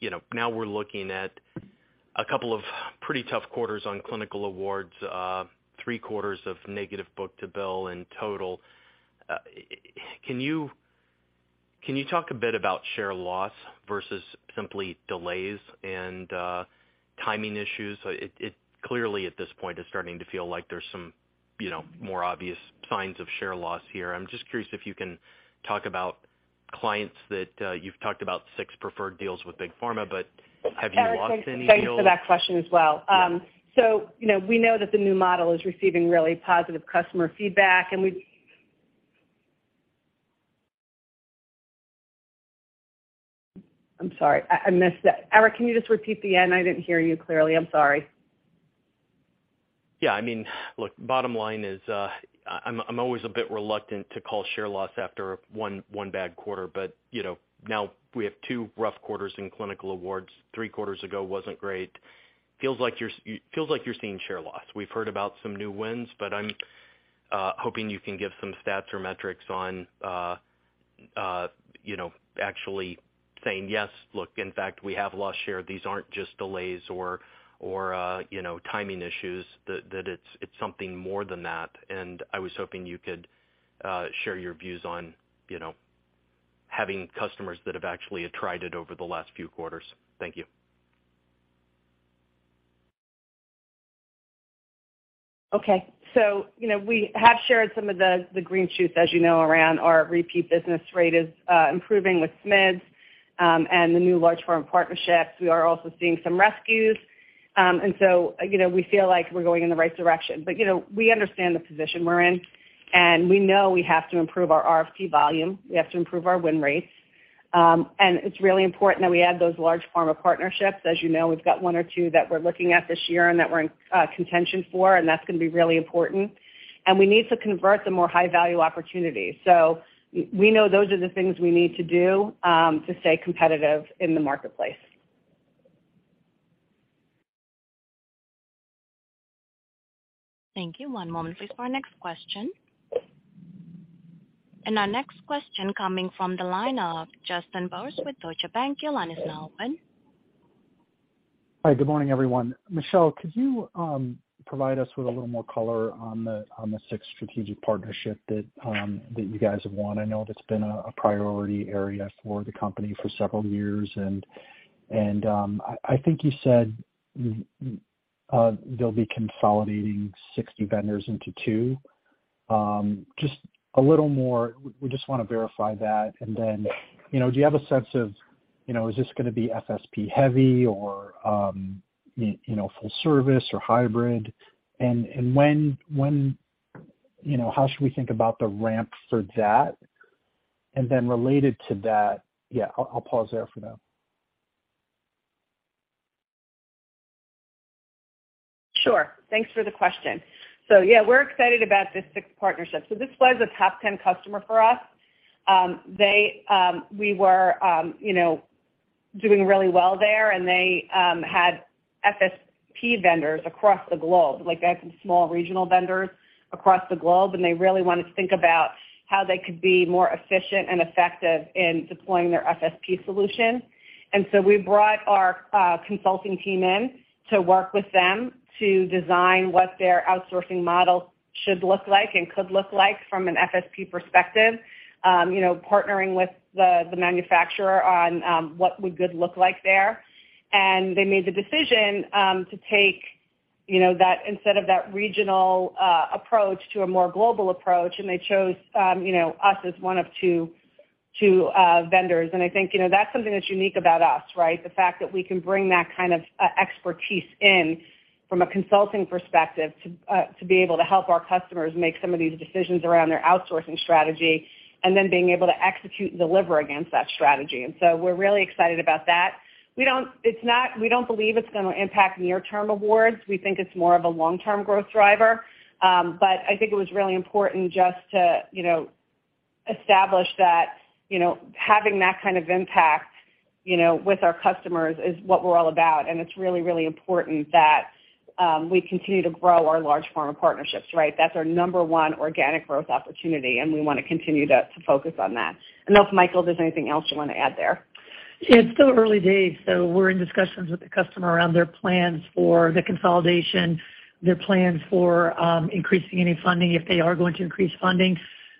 You know, now we're looking at a couple of pretty tough quarters on Clinical awards, three quarters of negative book-to-bill in total. Can you talk a bit about share loss versus simply delays and timing issues? It clearly at this point is starting to feel like there's some, you know, more obvious signs of share loss here. I'm just curious if you can talk about clients that you've talked about six preferred deals with big pharma, have you lost any deals? Eric, thanks for that question as well. You know, we know that the new model is receiving really positive customer feedback. I'm sorry, I missed that. Eric, can you just repeat the end? I didn't hear you clearly. I'm sorry. Yeah, I mean, look, bottom line is, I'm always a bit reluctant to call share loss after one bad quarter. You know, now we have two rough quarters in clinical awards. Three quarters ago wasn't great. Feels like you're seeing share loss. We've heard about some new wins, I'm hoping you can give some stats or metrics on, you know, actually saying yes, look, in fact, we have lost share. These aren't just delays or, you know, timing issues, that it's something more than that. I was hoping you could share your views on, you know, having customers that have actually attrited over the last few quarters. Thank you. You know, we have shared some of the green shoots, as you know, around our repeat business rate is improving with SMID, and the new large pharma partnerships. We are also seeing some rescues. You know, we feel like we're going in the right direction. You know, we understand the position we're in, and we know we have to improve our RFP volume. We have to improve our win rates. It's really important that we add those large pharma partnerships. As you know, we've got one or two that we're looking at this year and that we're in contention for, and that's gonna be really important. We need to convert the more high-value opportunities. We know those are the things we need to do to stay competitive in the marketplace. Thank you. One moment please for our next question. Our next question coming from the line of Justin Bowers with Deutsche Bank. Your line is now open. Hi, good morning, everyone. Michelle, could you provide us with a little more color on the six strategic partnership that you guys have won? I know that's been a priority area for the company for several years. I think you said they'll be consolidating 60 vendors into two. Just a little more, we just wanna verify that and then, you know, do you have a sense of, you know, is this gonna be FSP heavy or, full service or hybrid? When, how should we think about the ramp for that? Related to that... Yeah, I'll pause there for now. Sure. Thanks for the question. Yeah, we're excited about this fixed partnership. This was a top 10 customer for us. They, we were, you know, doing really well there, and they had FSP vendors across the globe. Like, they had some small regional vendors across the globe, and they really wanted to think about how they could be more efficient and effective in deploying their FSP solution. We brought our consulting team in to work with them to design what their outsourcing model should look like and could look like from an FSP perspective. You know, partnering with the manufacturer on what would good look like there. They made the decision, to take, you know, that instead of that regional, approach to a more global approach, and they chose, you know, us as one of two vendors. I think, you know, that's something that's unique about us, right? The fact that we can bring that kind of, expertise in from a consulting perspective to be able to help our customers make some of these decisions around their outsourcing strategy and then being able to execute and deliver against that strategy. We're really excited about that. We don't believe it's gonna impact near-term awards. We think it's more of a long-term growth driver. I think it was really important just to, you know, establish that, you know, having that kind of impact, you know, with our customers is what we're all about. It's really, really important that we continue to grow our large pharma partnerships, right? That's our number one organic growth opportunity, and we wanna continue to focus on that. I don't know if, Michael, there's anything else you wanna add there. It's still early days, we're in discussions with the customer around their plans for the consolidation, their plans for increasing any funding if they are going to increase funding.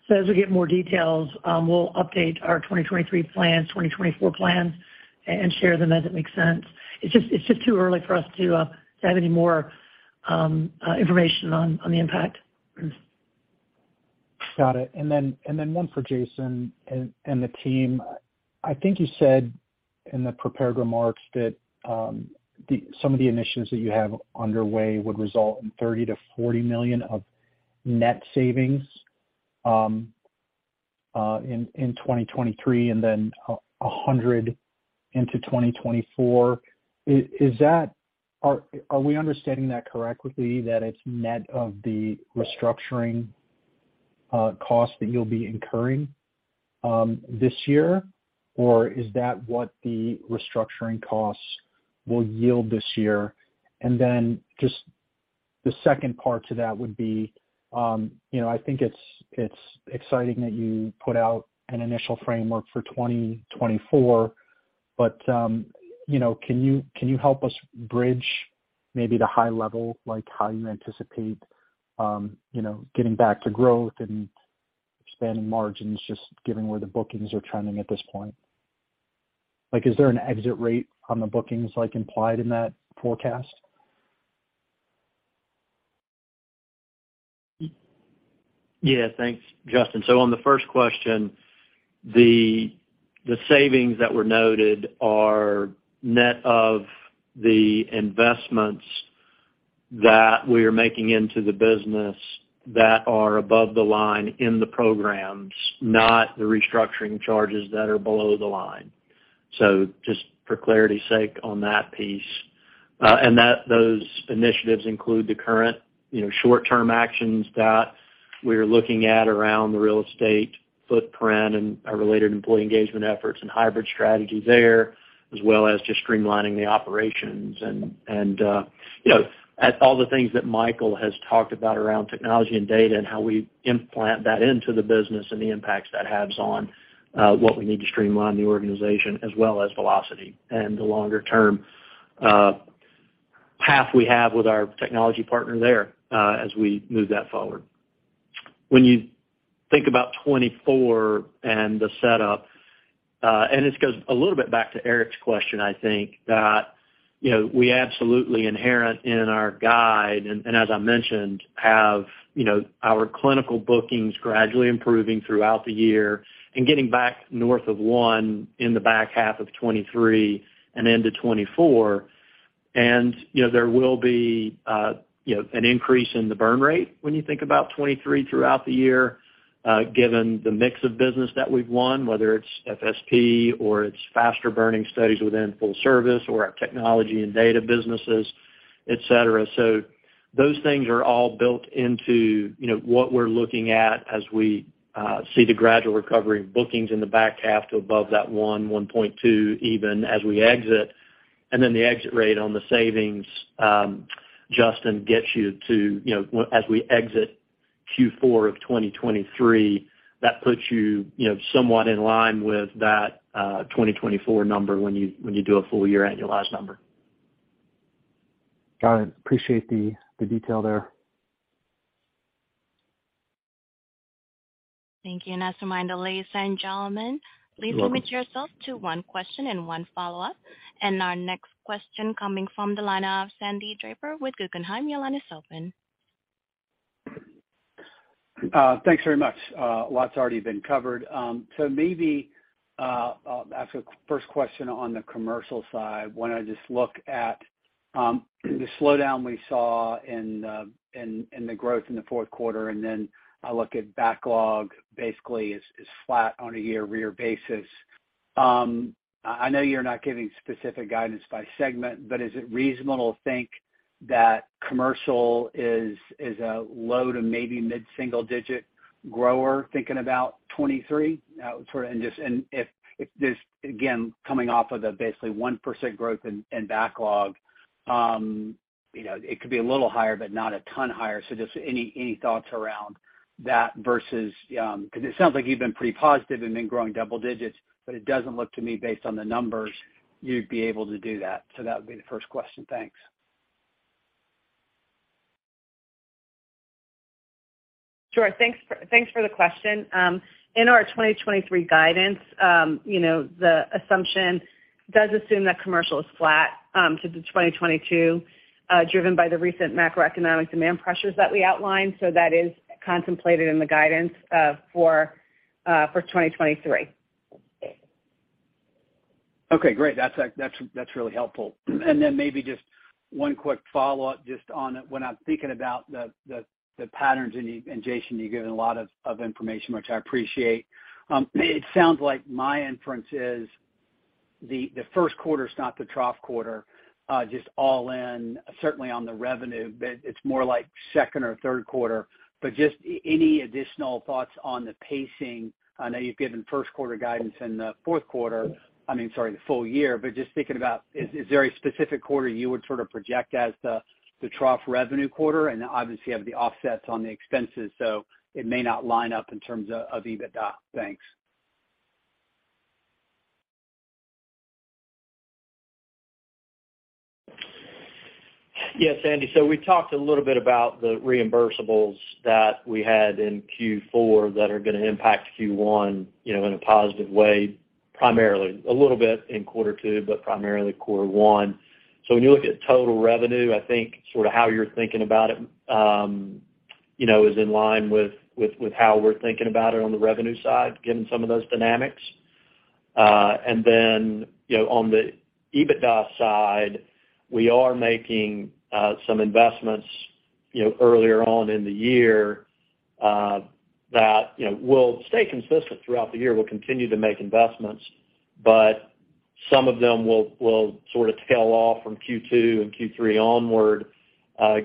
As we get more details, we'll update our 2023 plans, 2024 plans and share them as it makes sense. It's just too early for us to have any more information on the impact. Got it. Then one for Jason and the team. I think you said in the prepared remarks that some of the initiatives that you have underway would result in $30 million-$40 million of net savings in 2023 and then $100 million into 2024. Is that? Are we understanding that correctly that it's net of the restructuring cost that you'll be incurring this year? Or is that what the restructuring costs will yield this year? Just the second part to that would be, you know, I think it's exciting that you put out an initial framework for 2024, but, you know, can you, can you help us bridge maybe the high level, like how you anticipate, you know, getting back to growth and expanding margins just given where the bookings are trending at this point? Like, is there an exit rate on the bookings, like, implied in that forecast? Yeah. Thanks, Justin. On the first question, the savings that were noted are net of the investments that we are making into the business that are above the line in the programs, not the restructuring charges that are below the line. Just for clarity's sake on that piece. Those initiatives include the current, you know, short-term actions that we're looking at around the real estate footprint and our related employee engagement efforts and hybrid strategy there, as well as just streamlining the operations. You know, at all the things that Michael has talked about around technology and data and how we implant that into the business and the impacts that has on what we need to streamline the organization as well as velocity and the longer-term path we have with our technology partner there, as we move that forward. When you think about 2024 and the setup, and this goes a little bit back to Eric's question, I think that, you know, we absolutely inherent in our guide, and as I mentioned, have, you know, our Clinical bookings gradually improving throughout the year and getting back north of one in the back half of 2023 and into 2024. You know, there will be, you know, an increase in the burn rate when you think about 2023 throughout the year, given the mix of business that we've won, whether it's FSP or it's faster burning studies within full service or our technology and data businesses, et cetera. Those things are all built into, you know, what we're looking at as we see the gradual recovery of bookings in the back half to above that 1.2x even as we exit. Then the exit rate on the savings, Justin gets you to, you know, as we exit Q4 of 2023, that puts you know, somewhat in line with that 2024 number when you, when you do a full year annualized number. Got it. Appreciate the detail there. Thank you. As a reminder, ladies and gentlemen. You're welcome. Please limit yourself to one question and one follow-up. Our next question coming from the line of Sandy Draper with Guggenheim. Your line is open. Thanks very much. A lot's already been covered. Maybe, as a first question on the commercial side, wanna just look at the slowdown we saw in the growth in the fourth quarter, and then I look at backlog basically is flat on a year-over-year basis. I know you're not giving specific guidance by segment, but is it reasonable to think that Commercial is a low to maybe mid-single digit grower thinking about 2023? If this, again, coming off of the basically 1% growth in backlog, you know, it could be a little higher but not a ton higher. Just any thoughts around that versus... 'Cause it sounds like you've been pretty positive and been growing double digits, but it doesn't look to me based on the numbers you'd be able to do that. That would be the first question. Thanks. Sure. Thanks for the question. In our 2023 guidance, you know, the assumption does assume that commercial is flat to the 2022, driven by the recent macroeconomic demand pressures that we outlined. That is contemplated in the guidance for 2023. Okay, great. That's really helpful. Maybe just one quick follow-up just on when I'm thinking about the patterns, and Jason, you've given a lot of information, which I appreciate. It sounds like my inference is the first quarter's not the trough quarter, just all in, certainly on the revenue, but it's more like second or third quarter. Just any additional thoughts on the pacing? I know you've given first quarter guidance and the fourth quarter, I mean, sorry, the full year, but just thinking about is there a specific quarter you would sort of project as the trough revenue quarter? Obviously you have the offsets on the expenses, so it may not line up in terms of EBITDA. Thanks. Yes, Sandy. We talked a little bit about the reimbursables that we had in Q4 that are gonna impact Q1, you know, in a positive way, primarily. A little bit in quarter two, but primarily quarter one. When you look at total revenue, I think sort of how you're thinking about it, you know, is in line with how we're thinking about it on the revenue side, given some of those dynamics. You know, on the EBITDA side, we are making some investments, you know, earlier on in the year, that, you know, will stay consistent throughout the year. We'll continue to make investments, but some of them will sort of tail off from Q2 and Q3 onward,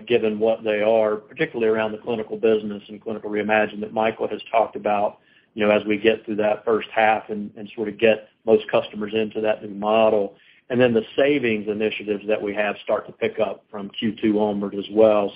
given what they are, particularly around the Clinical business and Clinical Reimagined that Michael has talked about, you know, as we get through that first half and sort of get most customers into that new model. The savings initiatives that we have start to pick up from Q2 onward as well.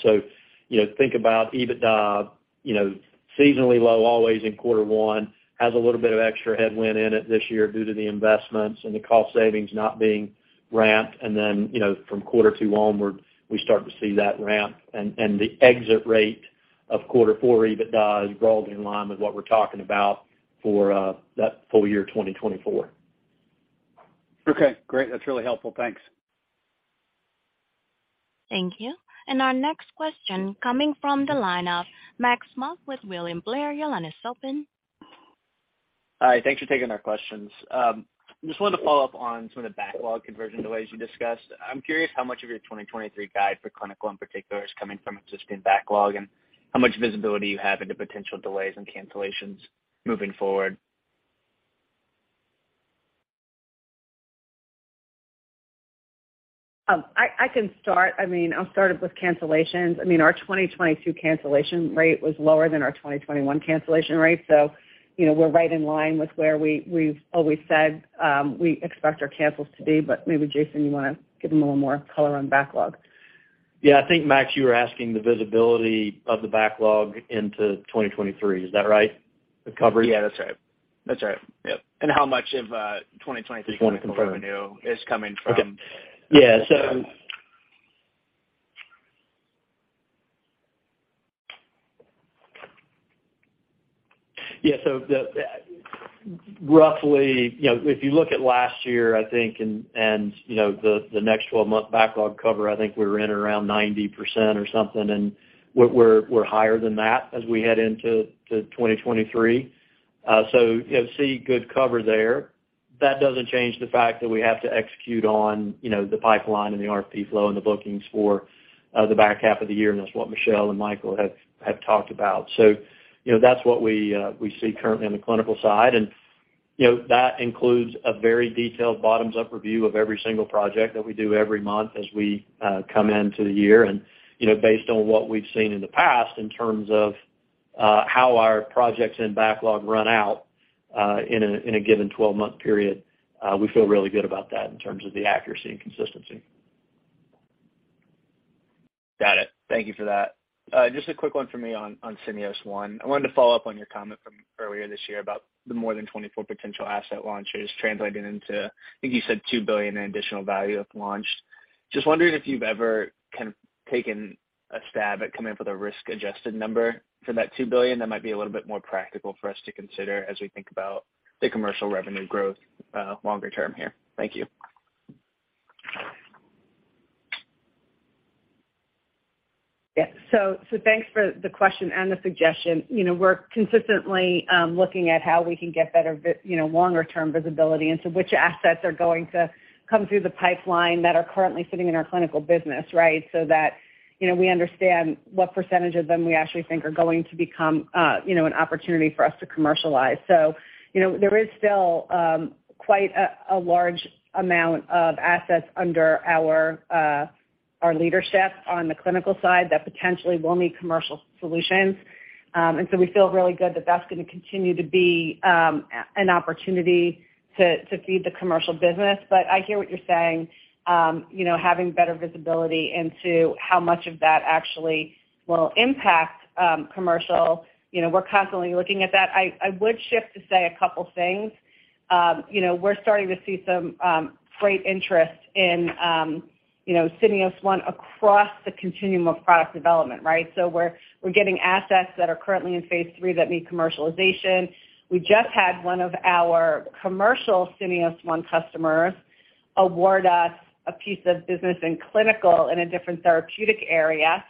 You know, think about EBITDA, you know, seasonally low always in quarter one, has a little bit of extra headwind in it this year due to the investments and the cost savings not being ramped. You know, from quarter two onward, we start to see that ramp and the exit rate of quarter four EBITDA is broadly in line with what we're talking about for that full year 2024. Okay, great. That's really helpful. Thanks. Thank you. Our next question coming from the line of Max Mueck with William Blair. Your line is open. Hi. Thanks for taking our questions. I just wanted to follow up on some of the backlog conversion delays you discussed. I'm curious how much of your 2023 guide for Clinical in particular is coming from existing backlog, and how much visibility you have into potential delays and cancellations moving forward. I can start. I mean, I'll start with cancellations. I mean, our 2022 cancellation rate was lower than our 2021 cancellation rate. You know, we're right in line with where we've always said, we expect our cancels to be. Maybe Jason, you wanna give him a little more color on backlog. Yeah. I think, Max, you were asking the visibility of the backlog into 2023. Is that right? The cover? Yeah, that's right. That's right. Yep. how much of, 2023- Just wanna confirm.... Clinical revenue is coming from- Okay. Roughly, you know, if you look at last year, I think, and, you know, the next 12-month backlog cover, I think we were in around 90% or something, and we're higher than that as we head into 2023. You know, see good cover there. That doesn't change the fact that we have to execute on, you know, the pipeline and the RFP flow and the bookings for the back half of the year, and that's what Michelle and Michael have talked about. You know, that's what we see currently on the Clinical side. You know, that includes a very detailed bottoms-up review of every single project that we do every month as we come into the year. You know, based on what we've seen in the past in terms of, how our projects and backlog run out, in a given 12-month period, we feel really good about that in terms of the accuracy and consistency. Got it. Thank Thank you for that. Just a quick one for me on Syneos One. I wanted to follow up on your comment from earlier this year about the more than 24 potential asset launches translating into, I think you said $2 billion in additional value if launched. Just wondering if you've ever kind of taken a stab at coming up with a risk-adjusted number for that $2 billion that might be a little bit more practical for us to consider as we think about the Commercial revenue growth, longer term here. Thank you. Yeah. Thanks for the question and the suggestion. You know, we're consistently looking at how we can get better, you know, longer term visibility into which assets are going to come through the pipeline that are currently sitting in our Clinical business, right? That, you know, we understand what percentage of them we actually think are going to become, you know, an opportunity for us to commercialize. You know, there is still quite a large amount of assets under our leadership on the Clinical side that potentially will need Commercial Solutions. We feel really good that that's gonna continue to be an opportunity to feed the Commercial business. I hear what you're saying, you know, having better visibility into how much of that actually will impact Commercial. You know, we're constantly looking at that. I would shift to say a couple things. You know, we're starting to see some great interest in You know, Syneos One across the continuum of product development, right? We're, we're getting assets that are currently in phase III that need commercialization. We just had one of our commercial Syneos One customers award us a piece of business in Clinical in a different therapeutic area.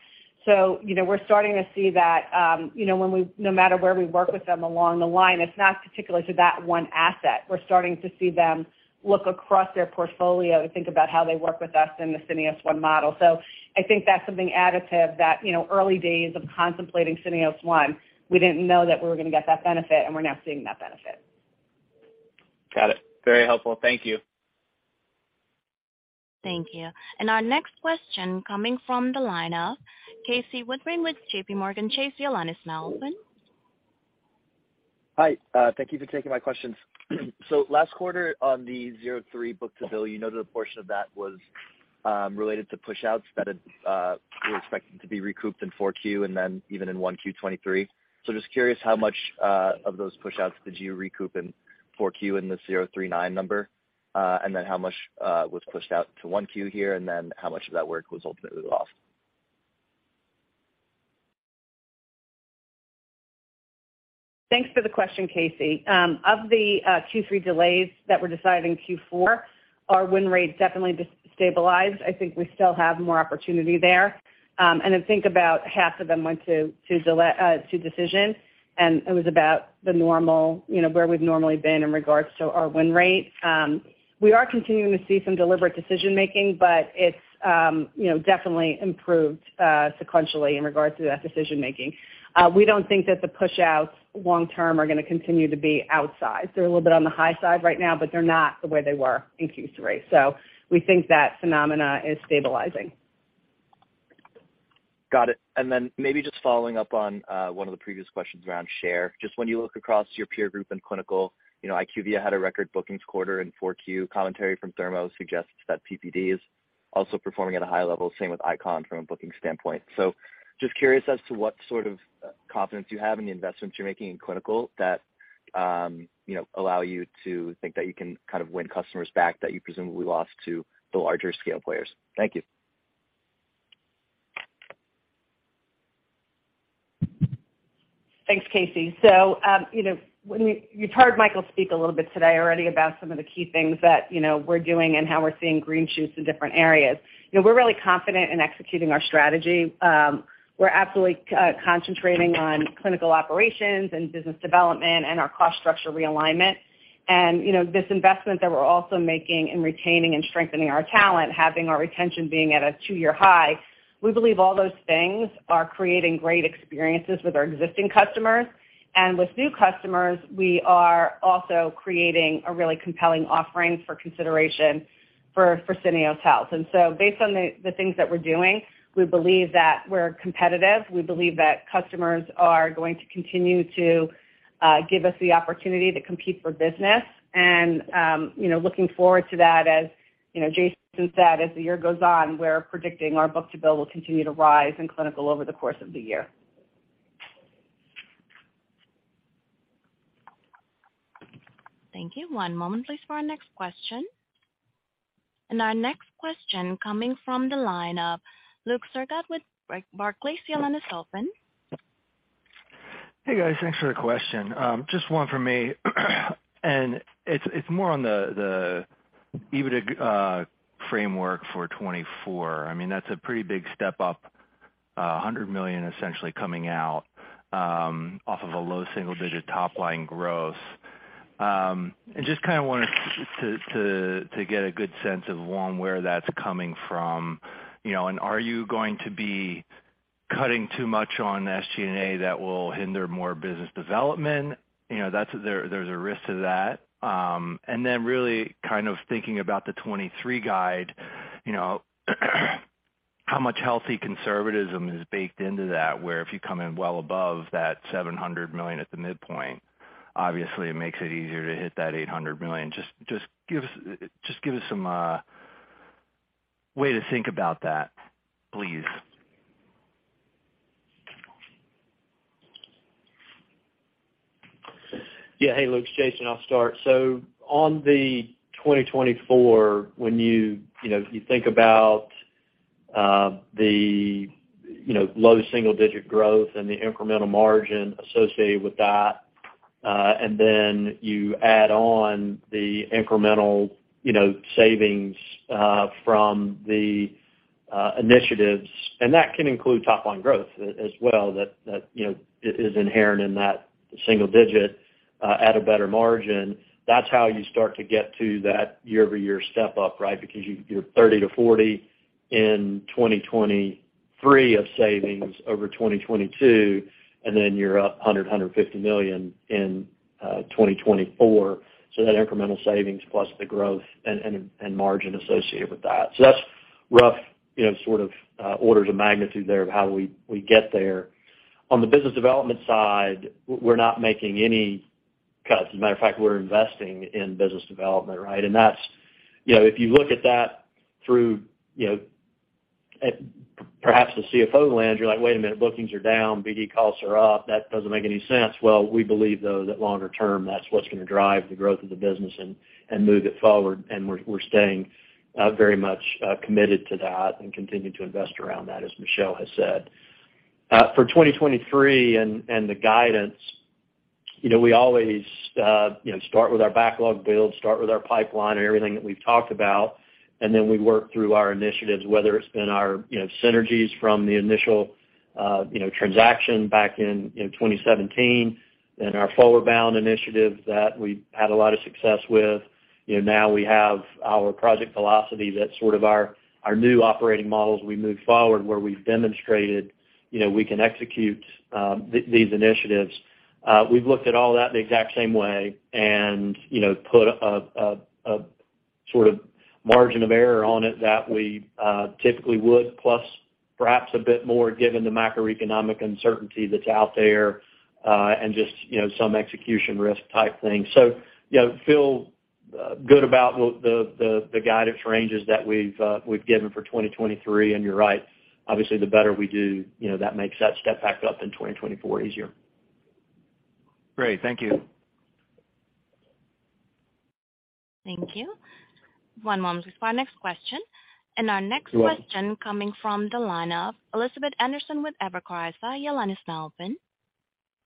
You know, we're starting to see that, you know, no matter where we work with them along the line, it's not particular to that one asset. We're starting to see them look across their portfolio and think about how they work with us in the Syneos One model. I think that's something additive that, you know, early days of contemplating Syneos One, we didn't know that we were gonna get that benefit, and we're now seeing that benefit. Got it. Very helpful. Thank you. Thank you. Our next question coming from the line of Casey Woodring with JPMorgan Chase. Your line is now open. Hi, thank you for taking my questions. Last quarter on the 0.3x book-to-bill, you noted a portion of that was related to pushouts that had, you're expecting to be recouped in 4Q and then even in 1Q 2023. Just curious how much of those pushouts did you recoup in 4Q in the 0.39x number? How much was pushed out to 1Q here? How much of that work was ultimately lost? Thanks for the question, Casey. Of the Q3 delays that were decided in Q4, our win rate definitely destabilized. I think we still have more opportunity there. I think about half of them went to decision, and it was about the normal, you know, where we've normally been in regards to our win rate. We are continuing to see some deliberate decision-making, but it's, you know, definitely improved sequentially in regards to that decision-making. We don't think that the pushouts long term are gonna continue to be outside. They're a little bit on the high side right now, but they're not the way they were in Q3. We think that phenomena is stabilizing. Got it. Then maybe just following up on one of the previous questions around share. Just when you look across your peer group in clinical, you know, IQVIA had a record bookings quarter in 4Q. Commentary from Thermo suggests that PPD is also performing at a high level, same with ICON from a booking standpoint. Just curious as to what sort of confidence you have in the investments you're making in clinical that, you know, allow you to think that you can kind of win customers back that you presumably lost to the larger scale players. Thank you. Thanks, Casey. You've heard Michael speak a little bit today already about some of the key things that, you know, we're doing and how we're seeing green shoots in different areas. We're really confident in executing our strategy. We're absolutely concentrating on clinical operations and business development and our cost structure realignment. You know, this investment that we're also making in retaining and strengthening our talent, having our retention being at a two-year high, we believe all those things are creating great experiences with our existing customers. With new customers, we are also creating a really compelling offering for consideration for Syneos Health. Based on the things that we're doing, we believe that we're competitive. We believe that customers are going to continue to give us the opportunity to compete for business. You know, looking forward to that, as, you know, Jason said, as the year goes on, we're predicting our book-to-bill will continue to rise in Clinical over the course of the year. Thank you. One moment please for our next question. Our next question coming from the line of Luke Sergott with Barclays. Your line is open. Hey, guys. Thanks for the question. Just one from me. It's more on the EBITDA framework for 2024. I mean, that's a pretty big step up, $100 million essentially coming out, off of a low single-digit top line growth. Just kinda wanted to get a good sense of one, where that's coming from, you know. Are you going to be cutting too much on SG&A that will hinder more business development? You know, that's there's a risk to that. Really kind of thinking about the 2023 guide, you know, how much healthy conservatism is baked into that, where if you come in well above that $700 million at the midpoint, obviously it makes it easier to hit that $800 million. Just give us some way to think about that, please. Yeah. Hey, Luke. It's Jason. I'll start. On the 2024, when you know, you think about the, you know, low single-digit growth and the incremental margin associated with that, and then you add on the incremental, you know, savings from the initiatives, and that can include top line growth as well, that, you know, it is inherent in that single-digit, at a better margin. That's how you start to get to that year-over-year step up, right? Because you're $30 million-$40 million in 2023 of savings over 2022, and then you're up $150 million in 2024. That incremental savings plus the growth and margin associated with that. That's rough, you know, sort of, orders of magnitude there of how we get there. On the business development side, we're not making any cuts. As a matter of fact, we're investing in business development, right? That's, you know, if you look at that through, you know, at perhaps the CFO lens, you're like, "Wait a minute, bookings are down, BD costs are up. That doesn't make any sense." Well, we believe, though, that longer term, that's what's gonna drive the growth of the business and move it forward, and we're staying very much committed to that and continue to invest around that, as Michelle has said. For 2023 and the guidance, you know, we always, you know, start with our backlog build, start with our pipeline and everything that we've talked about, and then we work through our initiatives, whether it's been our, you know, synergies from the initial, you know, transaction back in, you know, 2017 and our ForwardBound initiative that we've had a lot of success with. You know, now we have our Project Velocity that's sort of our new operating model as we move forward, where we've demonstrated, you know, we can execute, these initiatives. We've looked at all that the exact same way and, you know, put a sort of margin of error on it that we typically would, plus perhaps a bit more given the macroeconomic uncertainty that's out there, and just, you know, some execution risk type things. You know, feel good about what the guidance ranges that we've given for 2023. You're right, obviously, the better we do, you know, that makes that step back up in 2024 easier. Great. Thank you. Thank you. One moment for our next question. Our next question coming from the line of Elizabeth Anderson with Evercore ISI. Your line is now open.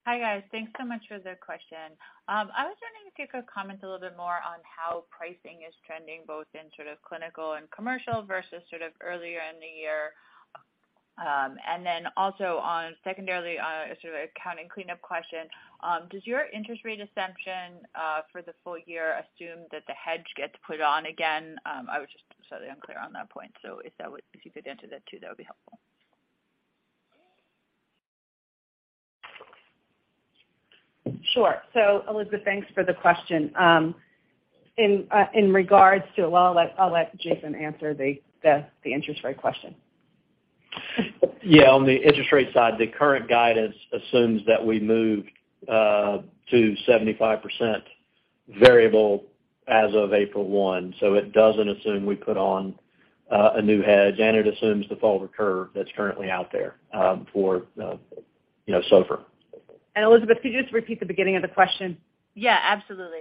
Hi, guys. Thanks so much for the question. I was wondering if you could comment a little bit more on how pricing is trending, both in sort of clinical and commercial versus sort of earlier in the year? Also on secondarily, sort of a accounting cleanup question, does your interest rate assumption for the full year assume that the hedge gets put on again? I was just slightly unclear on that point, so if you could answer that too, that would be helpful. Sure. Elizabeth, thanks for the question. Well, I'll let Jason answer the interest rate question. Yeah. On the interest rate side, the current guidance assumes that we move to 75% variable as of April 1, so it doesn't assume we put on a new hedge, and it assumes the forward curve that's currently out there for, you know, SOFR. Elizabeth, could you just repeat the beginning of the question? Yeah, absolutely.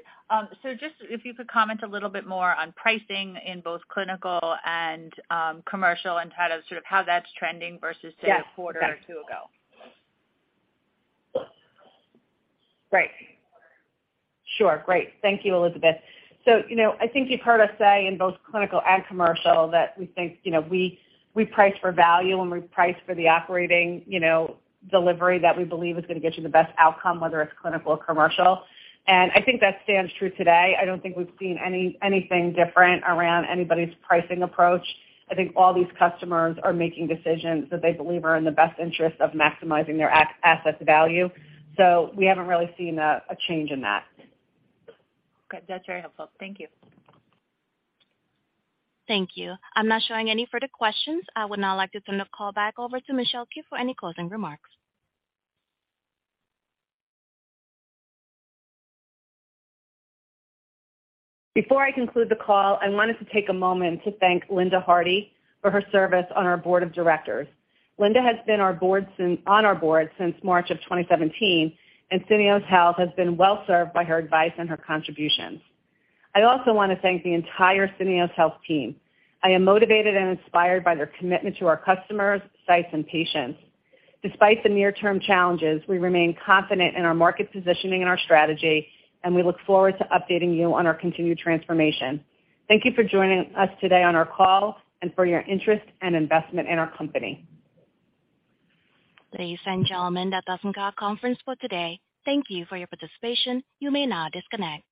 just if you could comment a little bit more on pricing in both Clinical and Commercial and kind of sort of how that's trending versus sort of a quarter or two ago? Right. Sure. Great. Thank you, Elizabeth. You know, I think you've heard us say in both Clinical and Commercial that we think, you know, we price for value and we price for the operating, you know, delivery that we believe is gonna get you the best outcome, whether it's Clinical or Commercial. I think that stands true today. I don't think we've seen anything different around anybody's pricing approach. I think all these customers are making decisions that they believe are in the best interest of maximizing their asset value. We haven't really seen a change in that. Good. That's very helpful. Thank you. Thank you. I'm not showing any further questions. I would now like to turn the call back over to Michelle Keefe for any closing remarks. Before I conclude the call, I wanted to take a moment to thank Linda Harty for her service on our board of directors. Linda has been on our board since March of 2017, and Syneos Health has been well served by her advice and her contributions. I also wanna thank the entire Syneos Health team. I am motivated and inspired by their commitment to our customers, sites, and patients. Despite the near-term challenges, we remain confident in our market positioning and our strategy, and we look forward to updating you on our continued transformation. Thank you for joining us today on our call and for your interest and investment in our company. Ladies and gentlemen, that does end our conference for today. Thank you for your participation. You may now disconnect.